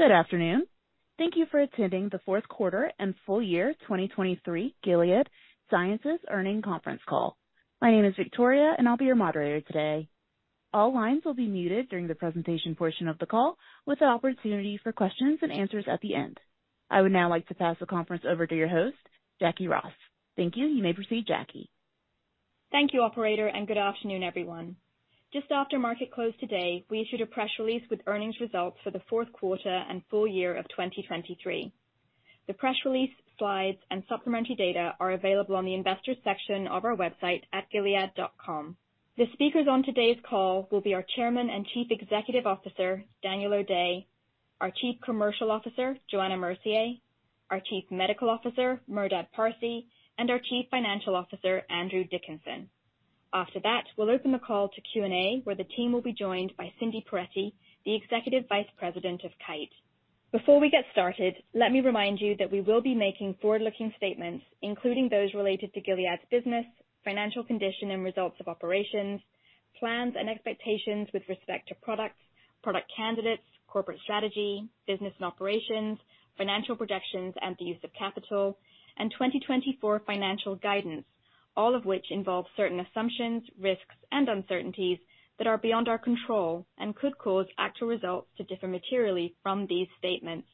Good afternoon. Thank you for attending the fourth quarter and full year 2023 Gilead Sciences Earnings Conference Call. My name is Victoria, and I'll be your moderator today. All lines will be muted during the presentation portion of the call, with the opportunity for questions and answers at the end. I would now like to pass the conference over to your host, Jacquie Ross. Thank you. You may proceed, Jacquie. Thank you, operator, and good afternoon, everyone. Just after market close today, we issued a press release with earnings results for the fourth quarter and full year of 2023. The press release, slides, and supplementary data are available on the investors section of our website at gilead.com. The speakers on today's call will be our Chairman and Chief Executive Officer, Daniel O'Day, our Chief Commercial Officer, Johanna Mercier, our Chief Medical Officer, Merdad Parsey, and our Chief Financial Officer, Andrew Dickinson. After that, we'll open the call to Q&A, where the team will be joined by Cindy Perettie, the Executive Vice President of Kite. Before we get started, let me remind you that we will be making forward-looking statements, including those related to Gilead's business, financial condition, and results of operations, plans and expectations with respect to products, product candidates, corporate strategy, business and operations, financial projections, and the use of capital, and 2024 financial guidance, all of which involve certain assumptions, risks and uncertainties that are beyond our control and could cause actual results to differ materially from these statements.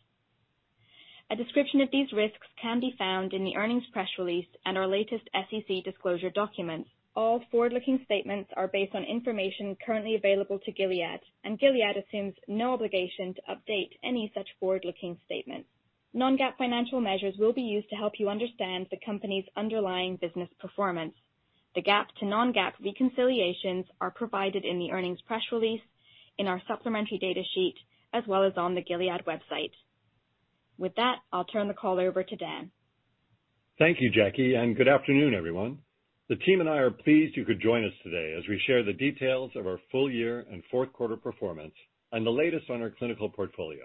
A description of these risks can be found in the earnings press release and our latest SEC disclosure documents. All forward-looking statements are based on information currently available to Gilead, and Gilead assumes no obligation to update any such forward-looking statements. Non-GAAP financial measures will be used to help you understand the company's underlying business performance. The GAAP to non-GAAP reconciliations are provided in the earnings press release, in our supplementary data sheet, as well as on the Gilead website. With that, I'll turn the call over to Dan. Thank you, Jackie, and good afternoon, everyone. The team and I are pleased you could join us today as we share the details of our full year and fourth quarter performance and the latest on our clinical portfolio.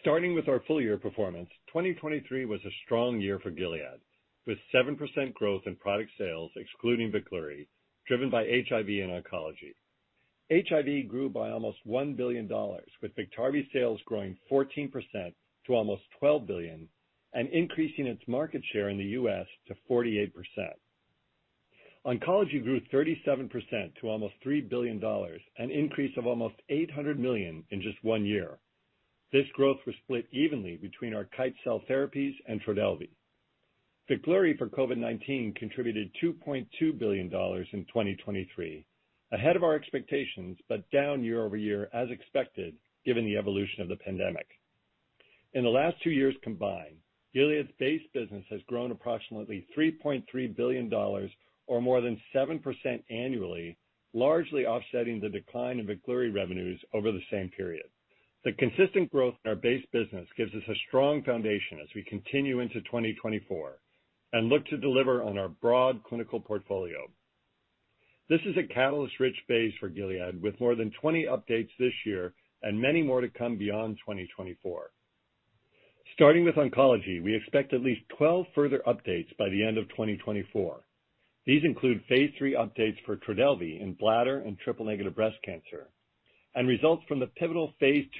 Starting with our full year performance, 2023 was a strong year for Gilead, with 7% growth in product sales, excluding Veklury, driven by HIV and oncology. HIV grew by almost $1 billion, with Biktarvy sales growing 14% to almost $12 billion and increasing its market share in the U.S. to 48%. Oncology grew 37% to almost $3 billion, an increase of almost $800 million in just one year. This growth was split evenly between our Kite cell therapies and Trodelvy. Veklury for COVID-19 contributed $2.2 billion in 2023, ahead of our expectations, but down year-over-year, as expected, given the evolution of the pandemic. In the last two years combined, Gilead's base business has grown approximately $3.3 billion or more than 7% annually, largely offsetting the decline in Veklury revenues over the same period. The consistent growth in our base business gives us a strong foundation as we continue into 2024 and look to deliver on our broad clinical portfolio. This is a catalyst-rich base for Gilead, with more than 20 updates this year and many more to come beyond 2024. Starting with oncology, we expect at least 12 further updates by the end of 2024. Phase III updates for trodelvy in bladder and triple-negative breast cancer, and results from Phase II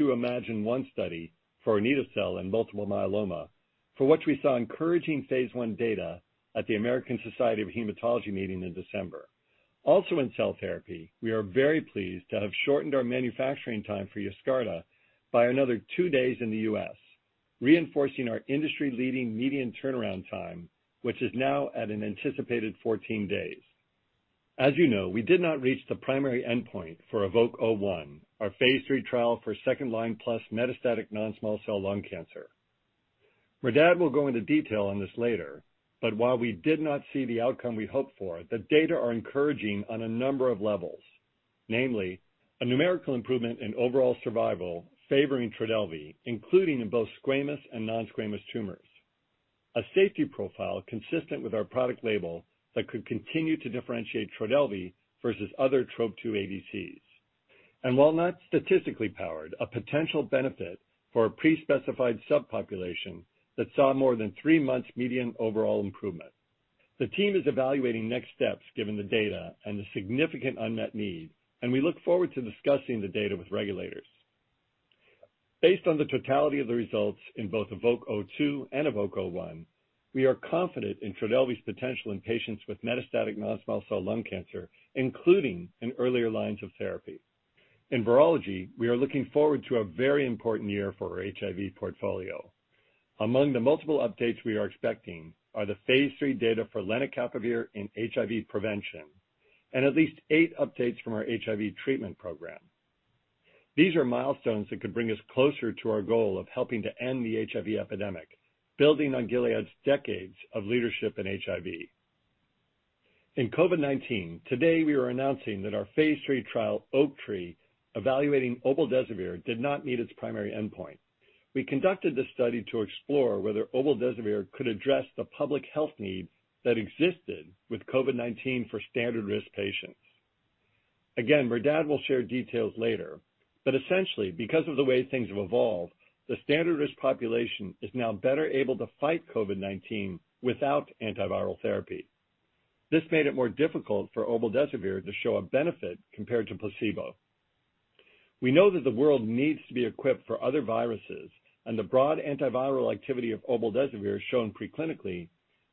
iMMagine-1 study for anito-cel in multiple myeloma, for which we saw encouraging Phase I data at the American Society of Hematology meeting in December. Also in cell therapy, we are very pleased to have shortened our manufacturing time for Yescarta by another two days in the U.S., reinforcing our industry-leading median turnaround time, which is now at an anticipated 14 days. As you know, we did not reach the Phase III trial for second-line plus metastatic non-small cell lung cancer. Merdad will go into detail on this later, but while we did not see the outcome we hoped for, the data are encouraging on a number of levels, namely, a numerical improvement in overall survival favoring Trodelvy, including in both squamous and non-squamous tumors. A safety profile consistent with our product label that could continue to differentiate Trodelvy versus other Trop-2 ADCs. While not statistically powered, a potential benefit for a pre-specified subpopulation that saw more than three months median overall improvement. The team is evaluating next steps given the data and the significant unmet need, and we look forward to discussing the data with regulators. Based on the totality of the results in both EVOKE-02 and EVOKE-01, we are confident in Trodelvy's potential in patients with metastatic non-small cell lung cancer, including in earlier lines of therapy. In virology, we are looking forward to a very important year for our HIV portfolio. Among the multiple Phase III data for lenacapavir in HIV prevention and at least eight updates from our HIV treatment program. These are milestones that could bring us closer to our goal of helping to end the HIV epidemic, building on Gilead's decades of leadership in HIV. In COVID-19, today, Phase III trial, OAKTREE, evaluating obeldesivir, did not meet its primary endpoint. We conducted this study to explore whether obeldesivir could address the public health need that existed with COVID-19 for standard-risk patients. Again, Merdad will share details later, but essentially, because of the way things have evolved, the standard-risk population is now better able to fight COVID-19 without antiviral therapy. This made it more difficult for obeldesivir to show a benefit compared to placebo. We know that the world needs to be equipped for other viruses, and the broad antiviral activity of obeldesivir, shown pre-clinically,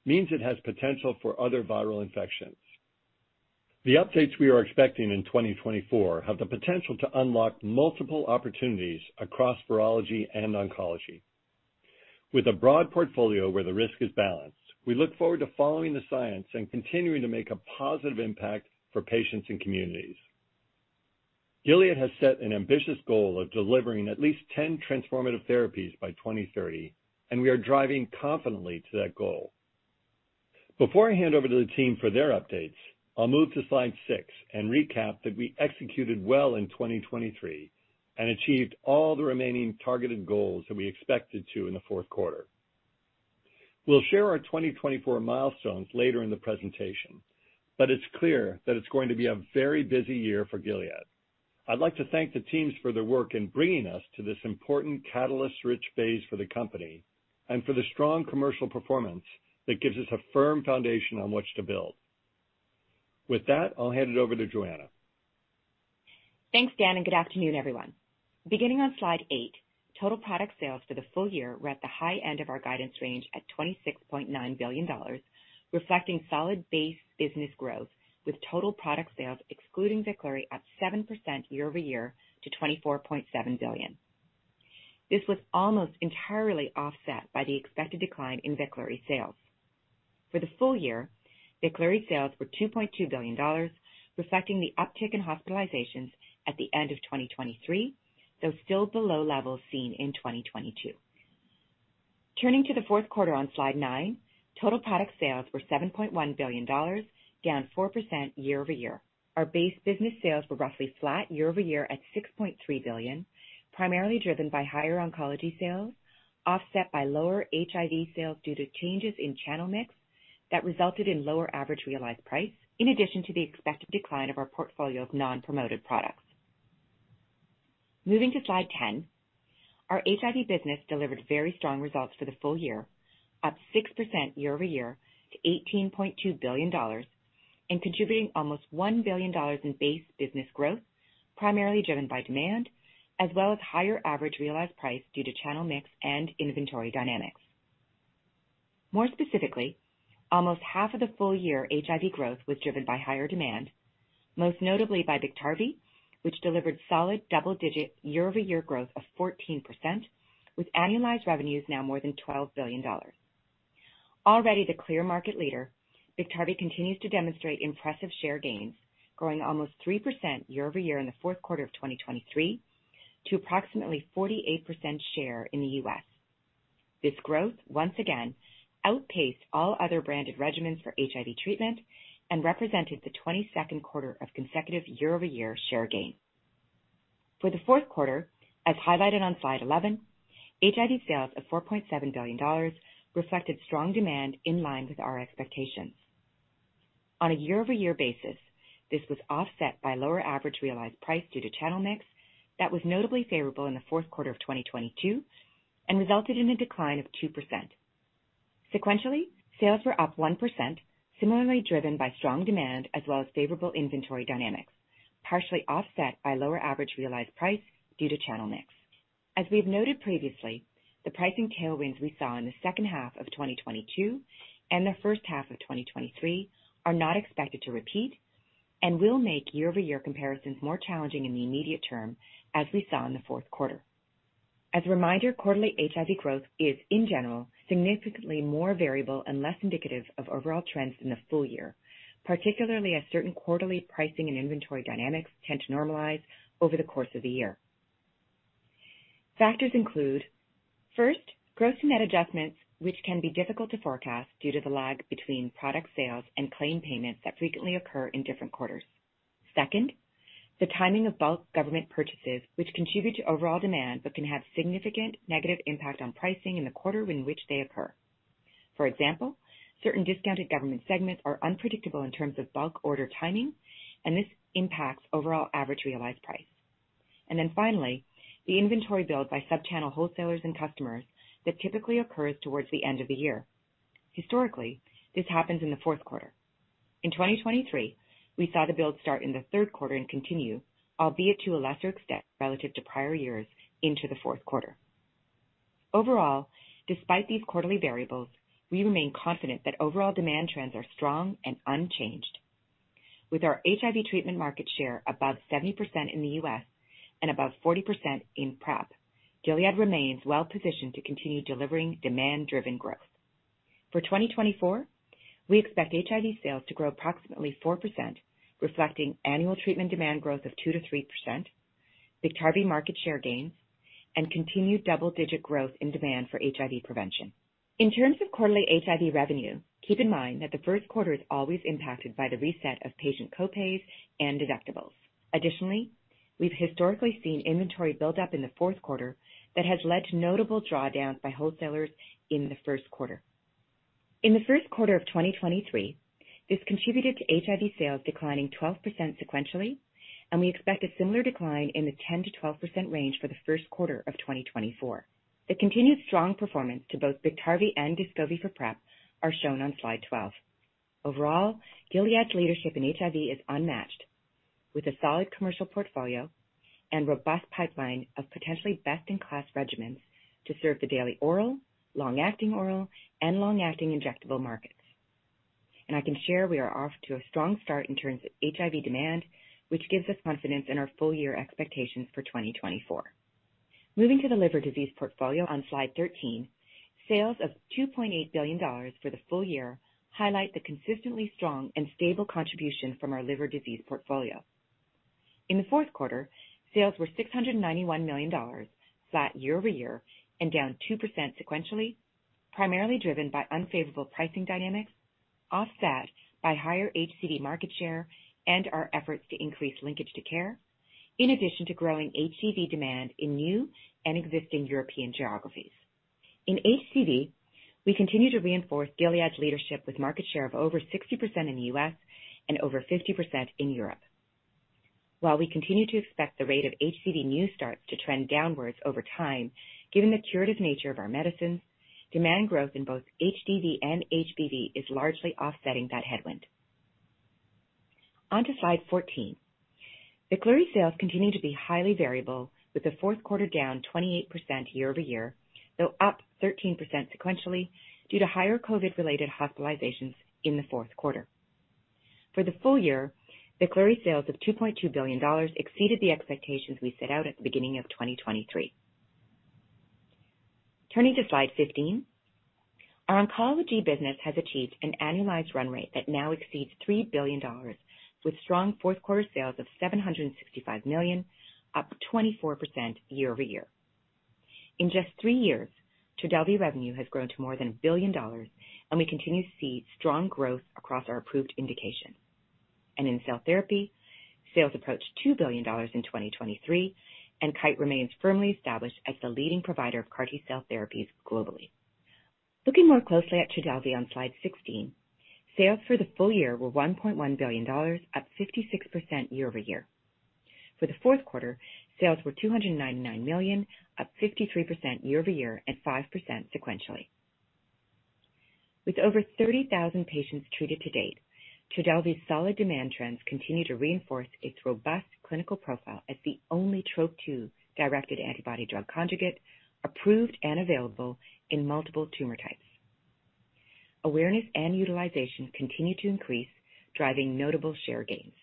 means it has potential for other viral infections. The updates we are expecting in 2024 have the potential to unlock multiple opportunities across virology and oncology. With a broad portfolio where the risk is balanced, we look forward to following the science and continuing to make a positive impact for patients and communities. Gilead has set an ambitious goal of delivering at least 10 transformative therapies by 2030, and we are driving confidently to that goal. Before I hand over to the team for their updates, I'll move to slide 6 and recap that we executed well in 2023 and achieved all the remaining targeted goals that we expected to in the fourth quarter. We'll share our 2024 milestones later in the presentation, but it's clear that it's going to be a very busy year for Gilead. I'd like to thank the teams for their work in bringing us to this important catalyst-rich phase for the company and for the strong commercial performance that gives us a firm foundation on which to build. With that, I'll hand it over to Johanna. Thanks, Dan, and good afternoon, everyone. Beginning on slide 8, total product sales for the full year were at the high end of our guidance range at $26.9 billion, reflecting solid base business growth, with total product sales excluding Veklury up 7% year-over-year to $24.7 billion. This was almost entirely offset by the expected decline in Veklury sales. For the full year, Veklury sales were $2.2 billion, reflecting the uptick in hospitalizations at the end of 2023, though still below levels seen in 2022. Turning to the fourth quarter on slide 9, total product sales were $7.1 billion, down 4% year-over-year. Our base business sales were roughly flat year-over-year at $6.3 billion, primarily driven by higher oncology sales, offset by lower HIV sales due to changes in channel mix that resulted in lower average realized price, in addition to the expected decline of our portfolio of non-promoted products. Moving to slide 10, our HIV business delivered very strong results for the full year, up 6% year-over-year to $18.2 billion and contributing almost $1 billion in base business growth, primarily driven by demand, as well as higher average realized price due to channel mix and inventory dynamics. More specifically, almost half of the full year HIV growth was driven by higher demand, most notably by Biktarvy, which delivered solid double-digit year-over-year growth of 14%, with annualized revenues now more than $12 billion. Already the clear market leader, Biktarvy continues to demonstrate impressive share gains, growing almost 3% year-over-year in the fourth quarter of 2023 to approximately 48% share in the U.S. This growth once again outpaced all other branded regimens for HIV treatment and represented the 22nd quarter of consecutive year-over-year share gain. For the fourth quarter, as highlighted on slide 11, HIV sales of $4.7 billion reflected strong demand in line with our expectations. On a year-over-year basis, this was offset by lower average realized price due to channel mix that was notably favorable in the fourth quarter of 2022 and resulted in a decline of 2%. Sequentially, sales were up 1%, similarly driven by strong demand as well as favorable inventory dynamics, partially offset by lower average realized price due to channel mix. As we've noted previously, the pricing tailwinds we saw in the second half of 2022 and the first half of 2023 are not expected to repeat and will make year-over-year comparisons more challenging in the immediate term, as we saw in the fourth quarter. As a reminder, quarterly HIV growth is, in general, significantly more variable and less indicative of overall trends in the full year, particularly as certain quarterly pricing and inventory dynamics tend to normalize over the course of the year. Factors include, first, gross and net adjustments, which can be difficult to forecast due to the lag between product sales and claim payments that frequently occur in different quarters. Second, the timing of bulk government purchases, which contribute to overall demand but can have significant negative impact on pricing in the quarter in which they occur. For example, certain discounted government segments are unpredictable in terms of bulk order timing, and this impacts overall average realized price. Then finally, the inventory build by subchannel wholesalers and customers that typically occurs towards the end of the year. Historically, this happens in the fourth quarter. In 2023, we saw the build start in the third quarter and continue, albeit to a lesser extent relative to prior years, into the fourth quarter. Overall, despite these quarterly variables, we remain confident that overall demand trends are strong and unchanged. With our HIV treatment market share above 70% in the U.S. and above 40% in PrEP, Gilead remains well positioned to continue delivering demand-driven growth. For 2024, we expect HIV sales to grow approximately 4%, reflecting annual treatment demand growth of 2%-3%, Biktarvy market share gains, and continued double-digit growth in demand for HIV prevention. In terms of quarterly HIV revenue, keep in mind that the first quarter is always impacted by the reset of patient co-pays and deductibles. Additionally, we've historically seen inventory build up in the fourth quarter that has led to notable drawdowns by wholesalers in the first quarter. In the first quarter of 2023, this contributed to HIV sales declining 12% sequentially, and we expect a similar decline in the 10%-12% range for the first quarter of 2024. The continued strong performance to both Biktarvy and Descovy for PrEP are shown on slide 12. Overall, Gilead's leadership in HIV is unmatched, with a solid commercial portfolio and robust pipeline of potentially best-in-class regimens to serve the daily oral, long-acting oral, and long-acting injectable markets. I can share we are off to a strong start in terms of HIV demand, which gives us confidence in our full year expectations for 2024. Moving to the liver disease portfolio on slide 13, sales of $2.8 billion for the full year highlight the consistently strong and stable contribution from our liver disease portfolio. In the fourth quarter, sales were $691 million, flat year-over-year and down 2% sequentially, primarily driven by unfavorable pricing dynamics, offset by higher HCV market share and our efforts to increase linkage to care, in addition to growing HCV demand in new and existing European geographies. In HCV, we continue to reinforce Gilead's leadership with market share of over 60% in the U.S. and over 50% in Europe. While we continue to expect the rate of HCV new starts to trend downwards over time, given the curative nature of our medicines, demand growth in both HDV and HBV is largely offsetting that headwind. Onto slide 14. Veklury sales continue to be highly variable, with the fourth quarter down 28% year-over-year, though up 13% sequentially due to higher COVID-related hospitalizations in the fourth quarter. For the full year, Veklury sales of $2.2 billion exceeded the expectations we set out at the beginning of 2023. Turning to slide 15. Our oncology business has achieved an annualized run rate that now exceeds $3 billion, with strong fourth quarter sales of $765 million, up 24% year-over-year. In just 3 years, Trodelvy revenue has grown to more than $1 billion, and we continue to see strong growth across our approved indications. In cell therapy, sales approached $2 billion in 2023, and Kite remains firmly established as the leading provider of CAR T-cell therapies globally. Looking more closely at Trodelvy on slide 16, sales for the full year were $1.1 billion, up 56% year-over-year. For the fourth quarter, sales were $299 million, up 53% year-over-year and 5% sequentially. With over 30,000 patients treated to date, Trodelvy's solid demand trends continue to reinforce its robust clinical profile as the only Trop-2-directed antibody-drug conjugate, approved and available in multiple tumor types. Awareness and utilization continue to increase, driving notable share gains.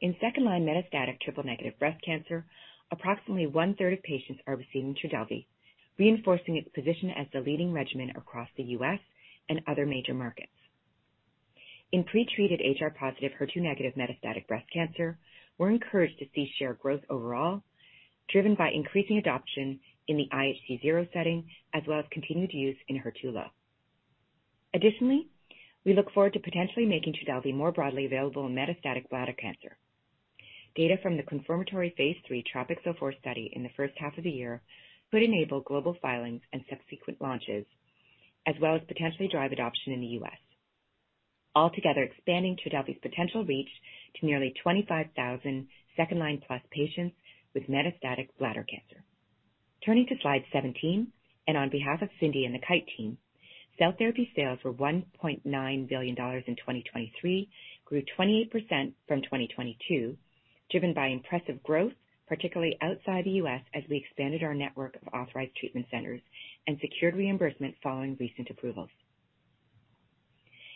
In second-line metastatic triple-negative breast cancer, approximately one-third of patients are receiving Trodelvy, reinforcing its position as the leading regimen across the U.S. and other major markets. In pretreated HR-positive, HER2-negative metastatic breast cancer, we're encouraged to see share growth overall, driven by increasing adoption in the IHC0 setting, as well as continued use in HER2-low. Additionally, we look forward to potentially making Trodelvy more broadly available in metastatic Phase III TROPiCS-04 study in the first half of the year could enable global filings and subsequent launches, as well as potentially drive adoption in the U.S. Altogether expanding Trodelvy's potential reach to nearly 25,000 second-line-plus patients with metastatic bladder cancer. Turning to slide 17, and on behalf of Cindy and the Kite team, cell therapy sales were $1.9 billion in 2023, grew 28% from 2022, driven by impressive growth, particularly outside the U.S., as we expanded our network of authorized treatment centers and secured reimbursement following recent approvals.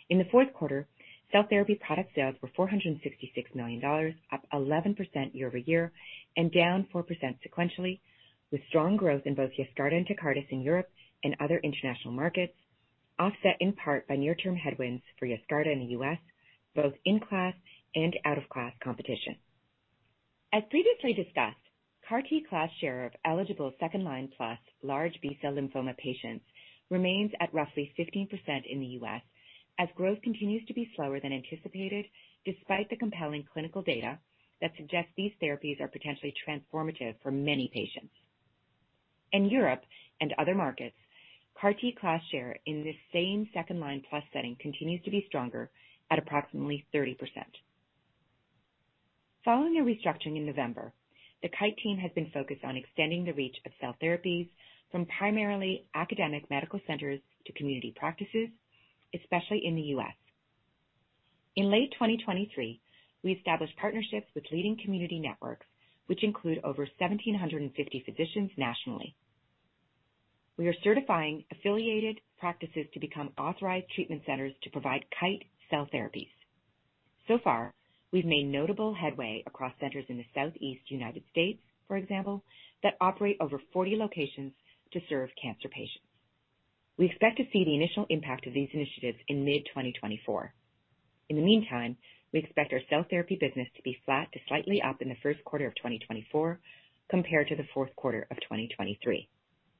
In the fourth quarter, cell therapy product sales were $466 million, up 11% year-over-year and down 4% sequentially, with strong growth in both Yescarta and Tecartus in Europe and other international markets, offset in part by near-term headwinds for Yescarta in the U.S., both in class and out-of-class competition. As previously discussed, CAR-T class share of eligible second-line-plus large B-cell lymphoma patients remains at roughly 15% in the U.S., as growth continues to be slower than anticipated, despite the compelling clinical data that suggests these therapies are potentially transformative for many patients. In Europe and other markets, CAR-T class share in this same second-line-plus setting continues to be stronger at approximately 30%. Following a restructuring in November, the Kite team has been focused on extending the reach of cell therapies from primarily academic medical centers to community practices, especially in the U.S. In late 2023, we established partnerships with leading community networks, which include over 1,750 physicians nationally. We are certifying affiliated practices to become authorized treatment centers to provide Kite cell therapies. So far, we've made notable headway across centers in the Southeast United States, for example, that operate over 40 locations to serve cancer patients. We expect to see the initial impact of these initiatives in mid-2024. In the meantime, we expect our cell therapy business to be flat to slightly up in the first quarter of 2024 compared to the fourth quarter of 2023.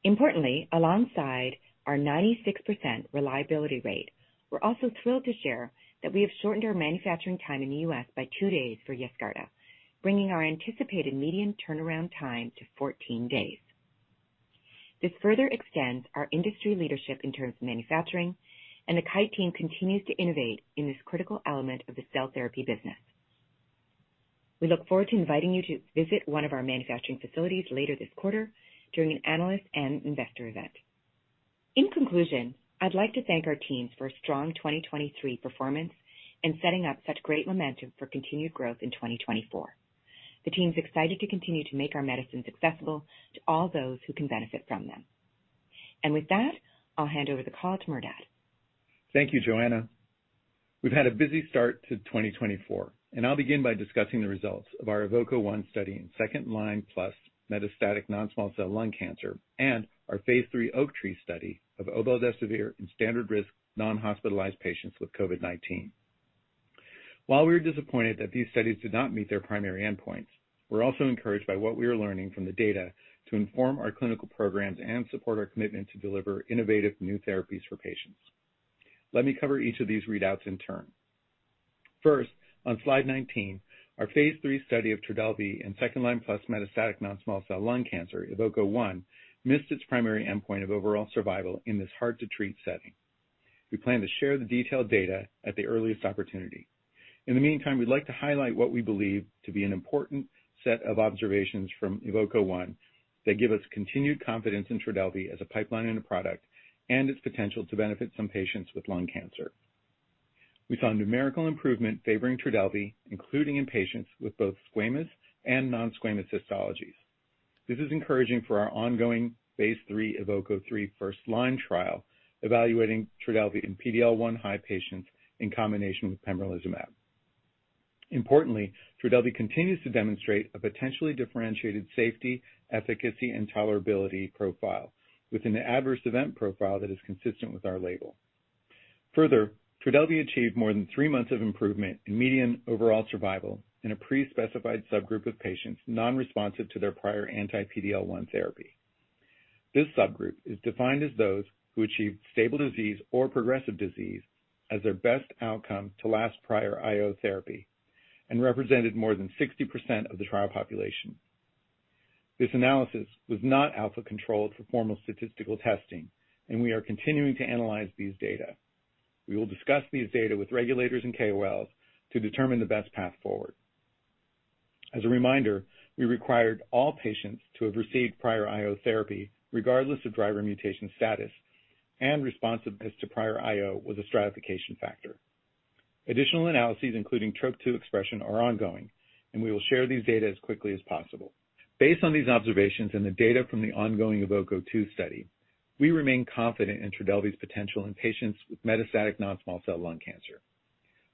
Importantly, alongside our 96% reliability rate, we're also thrilled to share that we have shortened our manufacturing time in the U.S. by 2 days for Yescarta, bringing our anticipated median turnaround time to 14 days. This further extends our industry leadership in terms of manufacturing, and the Kite team continues to innovate in this critical element of the cell therapy business. We look forward to inviting you to visit one of our manufacturing facilities later this quarter during an analyst and investor event. In conclusion, I'd like to thank our teams for a strong 2023 performance and setting up such great momentum for continued growth in 2024. The team's excited to continue to make our medicines accessible to all those who can benefit from them. With that, I'll hand over the call to Merdad. Thank you, Johanna. We've had a busy start to 2024, and I'll begin by discussing the results of our EVOKE-01 study in second-line plus metastatic Phase III OAKTREE study of obeldesivir in standard risk, non-hospitalized patients with COVID-19. While we are disappointed that these studies did not meet their primary endpoints, we're also encouraged by what we are learning from the data to inform our clinical programs and support our commitment to deliver innovative new therapies for patients. Let me cover each of these readouts in Phase III study of trodelvy in second-line plus metastatic non-small cell lung cancer, EVOKE-01, missed its primary endpoint of overall survival in this hard-to-treat setting. We plan to share the detailed data at the earliest opportunity. In the meantime, we'd like to highlight what we believe to be an important set of observations from EVOKE-01 that give us continued confidence in Trodelvy as a pipeline and a product, and its potential to benefit some patients with lung cancer. We saw a numerical improvement favoring Trodelvy, including in patients with both squamous and non-squamous histologies. Phase III EVOKE-03 first-line trial, evaluating trodelvy in PD-L1 high patients in combination with pembrolizumab. Importantly, Trodelvy continues to demonstrate a potentially differentiated safety, efficacy, and tolerability profile with an adverse event profile that is consistent with our label. Further, Trodelvy achieved more than 3 months of improvement in median overall survival in a pre-specified subgroup of patients non-responsive to their prior anti-PD-L1 therapy. This subgroup is defined as those who achieved stable disease or progressive disease as their best outcome to last prior IO therapy and represented more than 60% of the trial population. This analysis was not alpha controlled for formal statistical testing, and we are continuing to analyze these data. We will discuss these data with regulators and KOLs to determine the best path forward. As a reminder, we required all patients to have received prior IO therapy, regardless of driver mutation status, and responsiveness to prior IO was a stratification factor. Additional analyses, including Trop-2 expression, are ongoing, and we will share these data as quickly as possible. Based on these observations and the data from the ongoing EVOKE-02 study, we remain confident in Trodelvy's potential in patients with metastatic non-small cell lung cancer.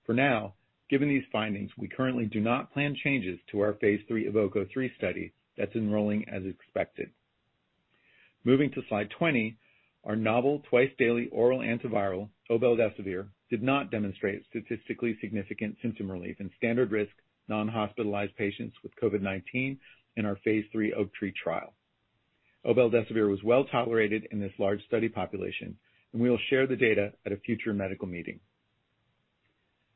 For now, given these findings, we currently Phase III EVOKE-03 study that's enrolling as expected. Moving to slide 20, our novel twice-daily oral antiviral, obeldesivir, did not demonstrate statistically significant symptom relief in standard risk, Phase III OAKTREE trial. obeldesivir was well tolerated in this large study population, and we will share the data at a future medical meeting.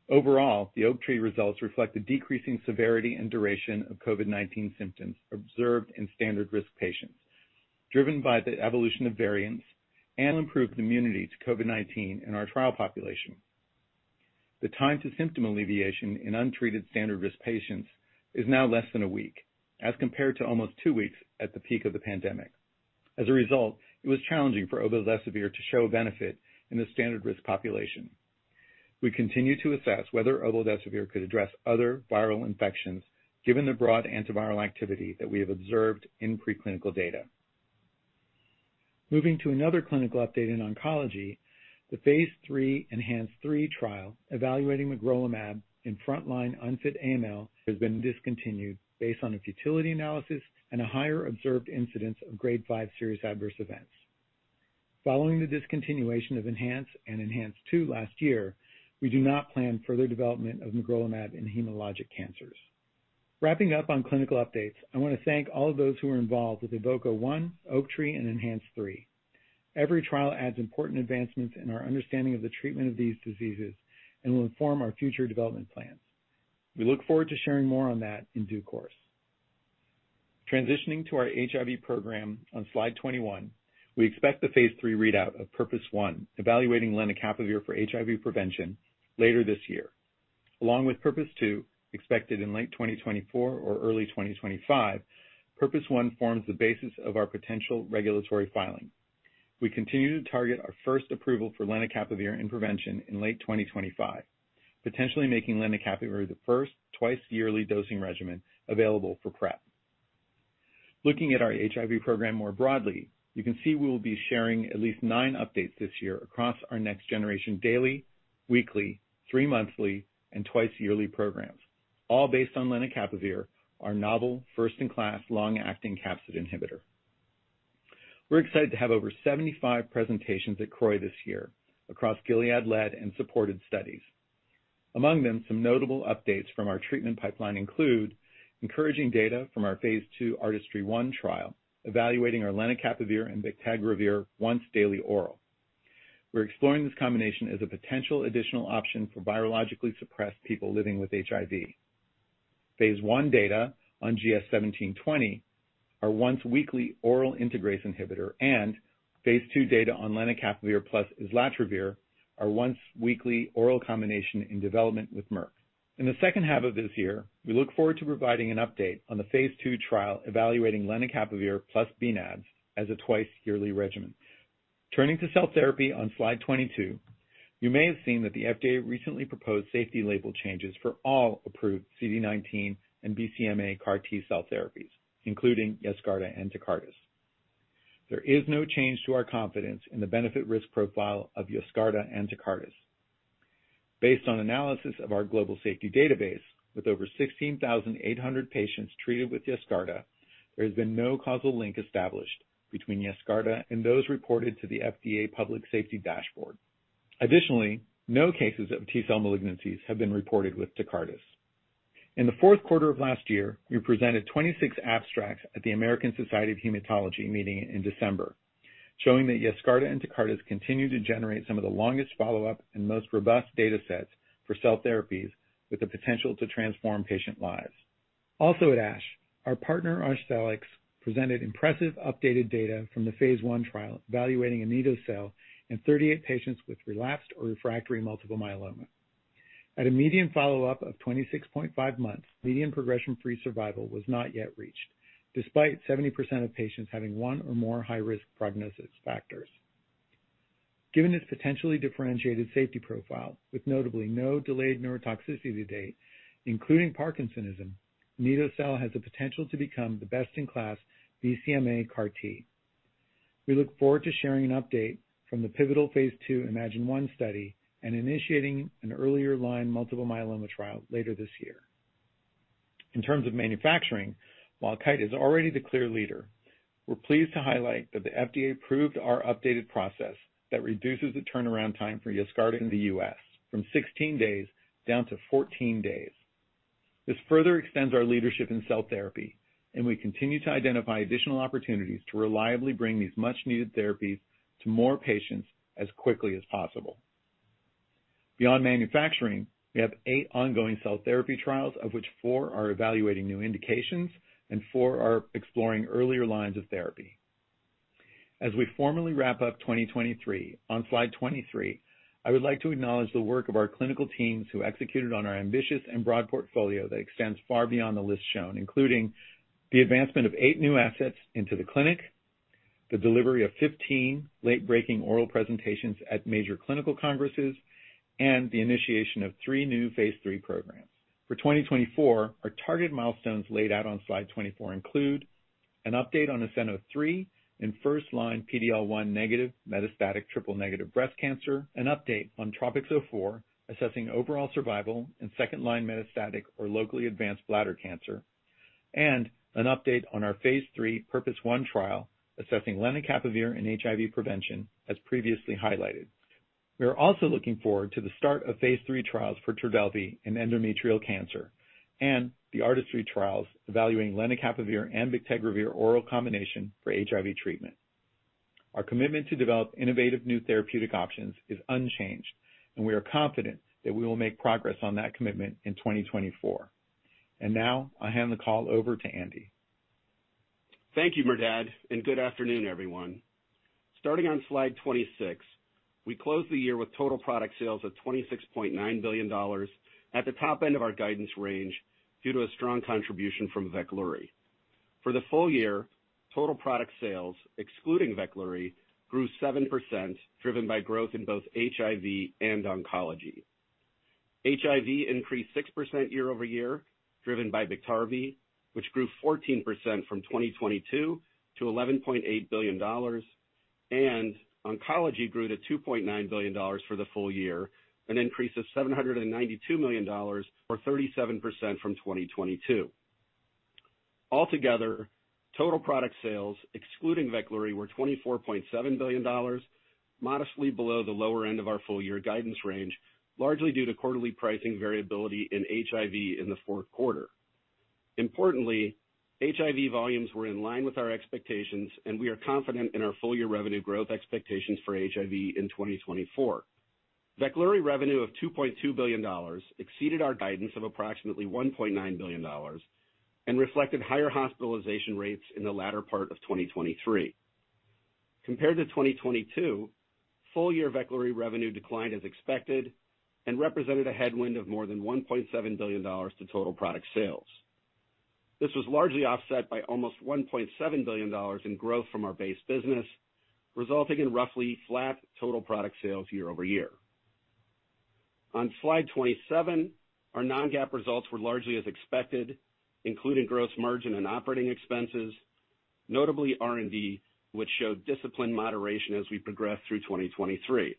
Overall, the OAKTREE results reflect a decreasing severity and duration of COVID-19 symptoms observed in standard risk patients, driven by the evolution of variants and improved immunity to COVID-19 in our trial population. The time to symptom alleviation in untreated standard risk patients is now less than a week, as compared to almost two weeks at the peak of the pandemic. As a result, it was challenging for obeldesivir to show a benefit in the standard risk population. We continue to assess whether obeldesivir could address other viral infections, given the broad antiviral activity that we have observed in preclinical data. Moving to Phase III ENHANCE-3 trial, evaluating magrolimab in frontline unfit AML, has been discontinued based on a futility analysis and a higher observed incidence of grade five serious adverse events. Following the discontinuation of ENHANCE and ENHANCE-2 last year, we do not plan further development of magrolimab in hematologic cancers. Wrapping up on clinical updates, I want to thank all of those who were involved with EVOKE-01, OAKTREE, and ENHANCE-3. Every trial adds important advancements in our understanding of the treatment of these diseases and will inform our future development plans. We look forward to sharing more on that in due course. Transitioning to our HIV phase iii readout of PURPOSE 1, evaluating lenacapavir for HIV prevention, later this year. Along with PURPOSE 2, expected in late 2024 or early 2025, PURPOSE 1 forms the basis of our potential regulatory filing. We continue to target our first approval for lenacapavir in prevention in late 2025, potentially making lenacapavir the first twice-yearly dosing regimen available for PrEP. Looking at our HIV program more broadly, you can see we will be sharing at least nine updates this year across our next generation daily, weekly, three-monthly, and twice-yearly programs, all based on lenacapavir, our novel, first-in-class, long-acting capsid inhibitor. We're excited to have over 75 presentations at CROI this year across Gilead-led and supported studies. Among them, some notable updates from our treatment pipeline include encouraging data from our Phase II ARTISTRY-1 trial, evaluating our lenacapavir and bictegravir once-daily oral. We're exploring this combination as a potential additional option for virologically suppressed people living with HIV.... Phase I data on GS-1720, our once-weekly oral integrase inhibitor, and Phase II data on lenacapavir plus islatravir, our once-weekly oral combination in development with Merck. In the second half of this year, we look forward to providing an update on the Phase II trial evaluating lenacapavir plus bnAbs as a twice-yearly regimen. Turning to cell therapy on slide 22, you may have seen that the FDA recently proposed safety label changes for all approved CD19 and BCMA CAR T-cell therapies, including Yescarta and Tecartus. There is no change to our confidence in the benefit-risk profile of Yescarta and Tecartus. Based on analysis of our global safety database, with over 16,800 patients treated with Yescarta, there has been no causal link established between Yescarta and those reported to the FDA Public Safety Dashboard. Additionally, no cases of T-cell malignancies have been reported with Tecartus. In the fourth quarter of last year, we presented 26 abstracts at the American Society of Hematology meeting in December, showing that Yescarta and Tecartus continue to generate some of the longest follow-up and most robust data sets for cell therapies with the potential to transform patient lives. Also at ASH, our partner, Arcellx, presented impressive updated data from the Phase I trial evaluating anito-cel in 38 patients with relapsed or refractory multiple myeloma. At a median follow-up of 26.5 months, median progression-free survival was not yet reached, despite 70% of patients having one or more high-risk prognosis factors. Given its potentially differentiated safety profile, with notably no delayed neurotoxicity to date, including parkinsonism, anito-cel has the potential to become the best-in-class BCMA CAR T. We look forward to sharing an update from the pivotal Phase II IMAGINE-1 study and initiating an earlier-line multiple myeloma trial later this year. In terms of manufacturing, while Kite is already the clear leader, we're pleased to highlight that the FDA approved our updated process that reduces the turnaround time for Yescarta in the U.S. from 16 days down to 14 days. This further extends our leadership in cell therapy, and we continue to identify additional opportunities to reliably bring these much-needed therapies to more patients as quickly as possible. Beyond manufacturing, we have 8 ongoing cell therapy trials, of which 4 are evaluating new indications and 4 are exploring earlier lines of therapy. As we formally wrap up 2023, on slide 23, I would like to acknowledge the work of our clinical teams, who executed on our ambitious and broad portfolio that extends far beyond the list shown, including the advancement of 8 new assets into the clinic, the delivery of 15 late-breaking oral presentations at major clinical congresses, Phase III programs. for 2024, our target milestones laid out on slide 24 include an update on ASCENT-03 in first-line PD-L1-negative metastatic triple-negative breast cancer, an update on Tropix-04, assessing overall survival in second-line metastatic or locally advanced phase iii PURPOSE 1 trial, assessing lenacapavir in HIV prevention, as previously highlighted. We are also Phase III trials for trodelvy in endometrial cancer and the ARTISTRY trials evaluating lenacapavir and bictegravir oral combination for HIV treatment. Our commitment to develop innovative new therapeutic options is unchanged, and we are confident that we will make progress on that commitment in 2024. Now I'll hand the call over to Andy. Thank you, Merdad, and good afternoon, everyone. Starting on slide 26, we closed the year with total product sales of $26.9 billion at the top end of our guidance range due to a strong contribution from Veklury. For the full year, total product sales, excluding Veklury, grew 7%, driven by growth in both HIV and oncology. HIV increased 6% year-over-year, driven by Biktarvy, which grew 14% from 2022 to $11.8 billion, and oncology grew to $2.9 billion for the full year, an increase of $792 million or 37% from 2022. Altogether, total product sales, excluding Veklury, were $24.7 billion, modestly below the lower end of our full-year guidance range, largely due to quarterly pricing variability in HIV in the fourth quarter. Importantly, HIV volumes were in line with our expectations, and we are confident in our full-year revenue growth expectations for HIV in 2024. Veklury revenue of $2.2 billion exceeded our guidance of approximately $1.9 billion and reflected higher hospitalization rates in the latter part of 2023. Compared to 2022, full-year Veklury revenue declined as expected and represented a headwind of more than $1.7 billion to total product sales. This was largely offset by almost $1.7 billion in growth from our base business, resulting in roughly flat total product sales year-over-year. On slide 27, our non-GAAP results were largely as expected, including gross margin and operating expenses, notably R&D, which showed disciplined moderation as we progressed through 2023.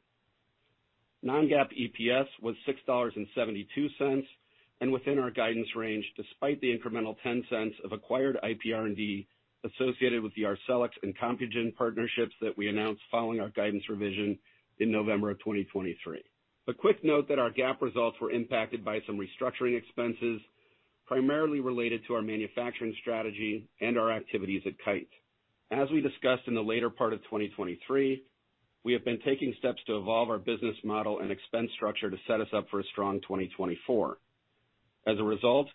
Non-GAAP EPS was $6.72, and within our guidance range, despite the incremental $0.10 of acquired IP R&D associated with the Arcellx and Compugen partnerships that we announced following our guidance revision in November 2023. A quick note that our GAAP results were impacted by some restructuring expenses, primarily related to our manufacturing strategy and our activities at Kite. As we discussed in the later part of 2023, we have been taking steps to evolve our business model and expense structure to set us up for a strong 2024. As a result,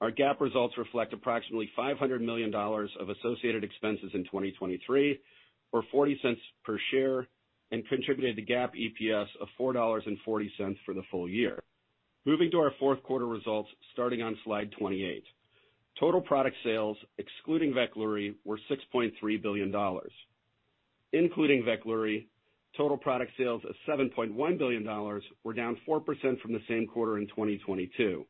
our GAAP results reflect approximately $500 million of associated expenses in 2023, or $0.40 per share, and contributed to GAAP EPS of $4.40 for the full year. Moving to our fourth quarter results, starting on slide 28. Total product sales, excluding Veklury, were $6.3 billion. Including Veklury, total product sales of $7.1 billion were down 4% from the same quarter in 2022.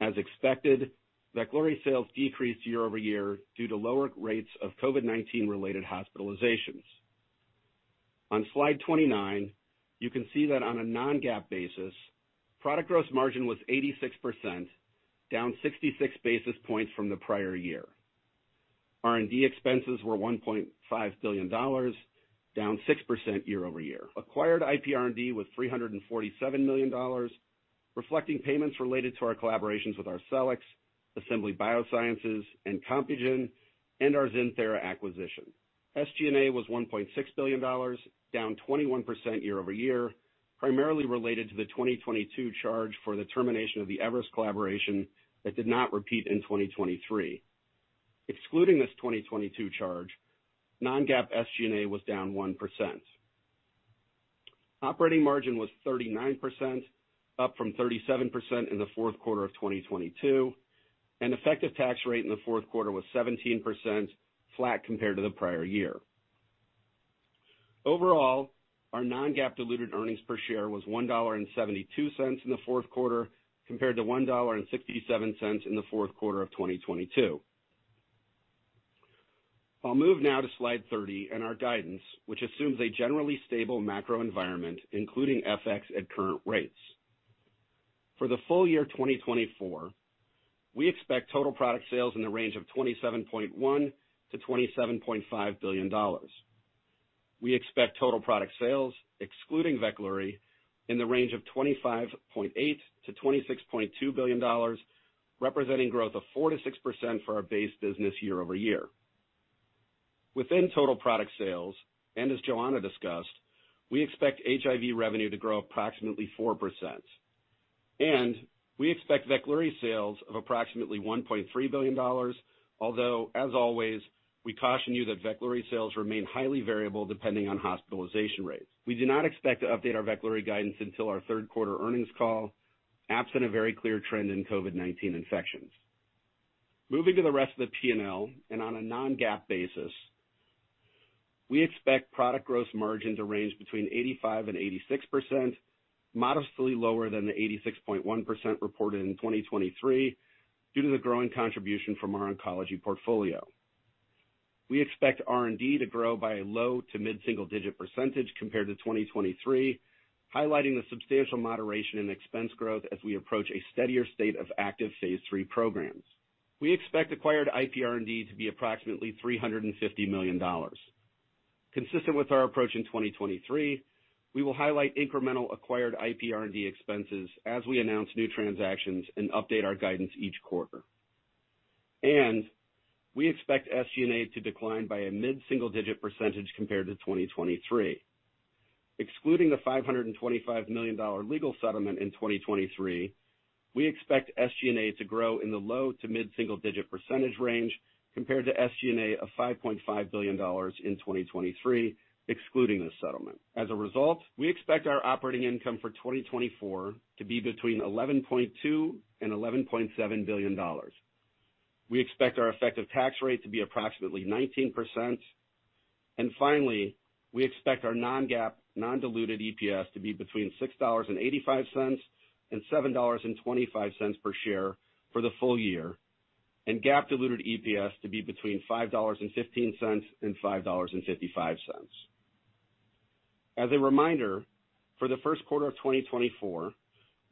As expected, Veklury sales decreased year-over-year due to lower rates of COVID-19 related hospitalizations. On slide 29, you can see that on a non-GAAP basis, product gross margin was 86%, down 66 basis points from the prior year. R&D expenses were $1.5 billion, down 6% year-over-year. Acquired IP R&D was $347 million, reflecting payments related to our collaborations with Arcellx, Assembly Biosciences, and Compugen, and our XinThera acquisition. SG&A was $1.6 billion, down 21% year-over-year, primarily related to the 2022 charge for the termination of the Everest collaboration that did not repeat in 2023. Excluding this 2022 charge, non-GAAP SG&A was down 1%. Operating margin was 39%, up from 37% in the fourth quarter of 2022, and effective tax rate in the fourth quarter was 17%, flat compared to the prior year. Overall, our non-GAAP diluted earnings per share was $1.72 in the fourth quarter, compared to $1.67 in the fourth quarter of 2022. I'll move now to slide 30 and our guidance, which assumes a generally stable macro environment, including FX, at current rates. For the full year 2024, we expect total product sales in the range of $27.1 billion-$27.5 billion. We expect total product sales, excluding Veklury, in the range of $25.8 billion-$26.2 billion, representing growth of 4%-6% for our base business year-over-year. Within total product sales, and as Joanna discussed, we expect HIV revenue to grow approximately 4%. We expect Veklury sales of approximately $1.3 billion, although, as always, we caution you that Veklury sales remain highly variable depending on hospitalization rates. We do not expect to update our Veklury guidance until our third quarter earnings call, absent a very clear trend in COVID-19 infections. Moving to the rest of the P&L, and on a non-GAAP basis, we expect product gross margin to range between 85%-86%, modestly lower than the 86.1% reported in 2023, due to the growing contribution from our oncology portfolio. We expect R&D to grow by a low- to mid-single-digit % compared to 2023, highlighting the substantial moderation in expense growth as we Phase III programs. we expect acquired ip r&d to be approximately $350 million. Consistent with our approach in 2023, we will highlight incremental acquired IP R&D expenses as we announce new transactions and update our guidance each quarter. We expect SG&A to decline by a mid-single-digit % compared to 2023. Excluding the $525 million legal settlement in 2023, we expect SG&A to grow in the low- to mid-single-digit % range, compared to SG&A of $5.5 billion in 2023, excluding the settlement. As a result, we expect our operating income for 2024 to be between $11.2 billion and $11.7 billion. We expect our effective tax rate to be approximately 19%. And finally, we expect our non-GAAP non-diluted EPS to be between $6.85 and $7.25 per share for the full year, and GAAP diluted EPS to be between $5.15 and $5.55. As a reminder, for the first quarter of 2024,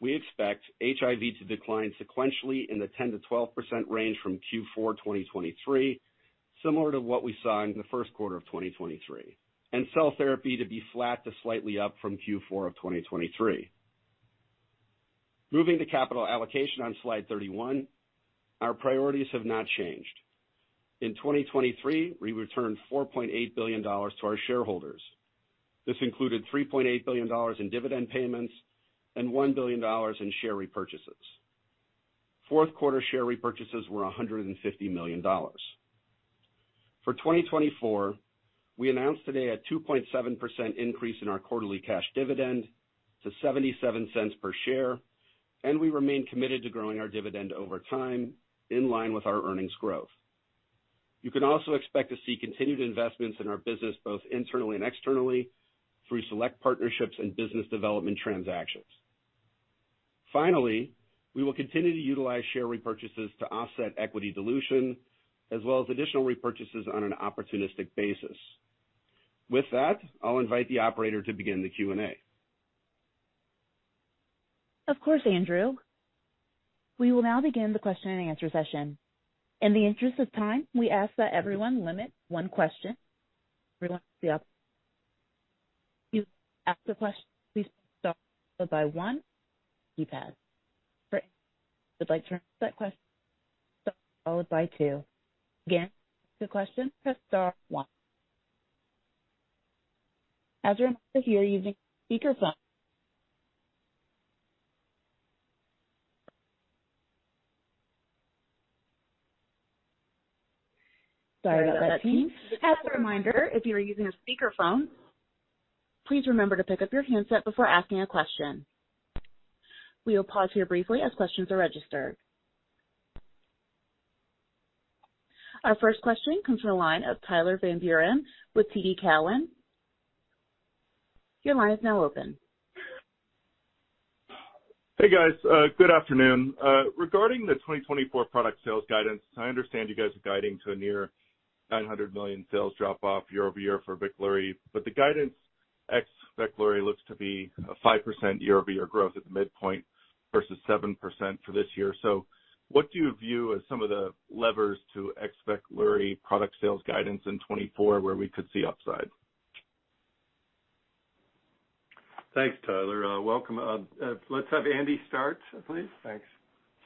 we expect HIV to decline sequentially in the 10%-12% range from Q4 2023, similar to what we saw in the first quarter of 2023, and cell therapy to be flat to slightly up from Q4 of 2023. Moving to capital allocation on slide 31, our priorities have not changed. In 2023, we returned $4.8 billion to our shareholders. This included $3.8 billion in dividend payments and $1 billion in share repurchases. Fourth quarter share repurchases were $150 million. For 2024, we announced today a 2.7% increase in our quarterly cash dividend to $0.77 per share, and we remain committed to growing our dividend over time, in line with our earnings growth. You can also expect to see continued investments in our business, both internally and externally, through select partnerships and business development transactions. Finally, we will continue to utilize share repurchases to offset equity dilution, as well as additional repurchases on an opportunistic basis. With that, I'll invite the operator to begin the Q&A. Of course, Andrew. We will now begin the question and answer session. In the interest of time, we ask that everyone limit one question. Everyone, you ask the question, please start by one, keypad. Great. You'd like to ask that question... Followed by two. Again, the question press star one. As a reminder, here using speakerphone. Sorry about that, as a reminder, if you are using a speakerphone, please remember to pick up your handset before asking a question. We will pause here briefly as questions are registered. Our first question comes from the line of Tyler Van Buren with TD Cowen. Your line is now open. Hey, guys. Good afternoon. Regarding the 2024 product sales guidance, I understand you guys are guiding to a near $900 million sales drop off year-over-year for Veklury, but the guidance ex Veklury looks to be a 5% year-over-year growth at the midpoint versus 7% for this year. So what do you view as some of the levers to ex Veklury product sales guidance in 2024, where we could see upside? Thanks, Tyler. Welcome. Let's have Andy start, please. Thanks.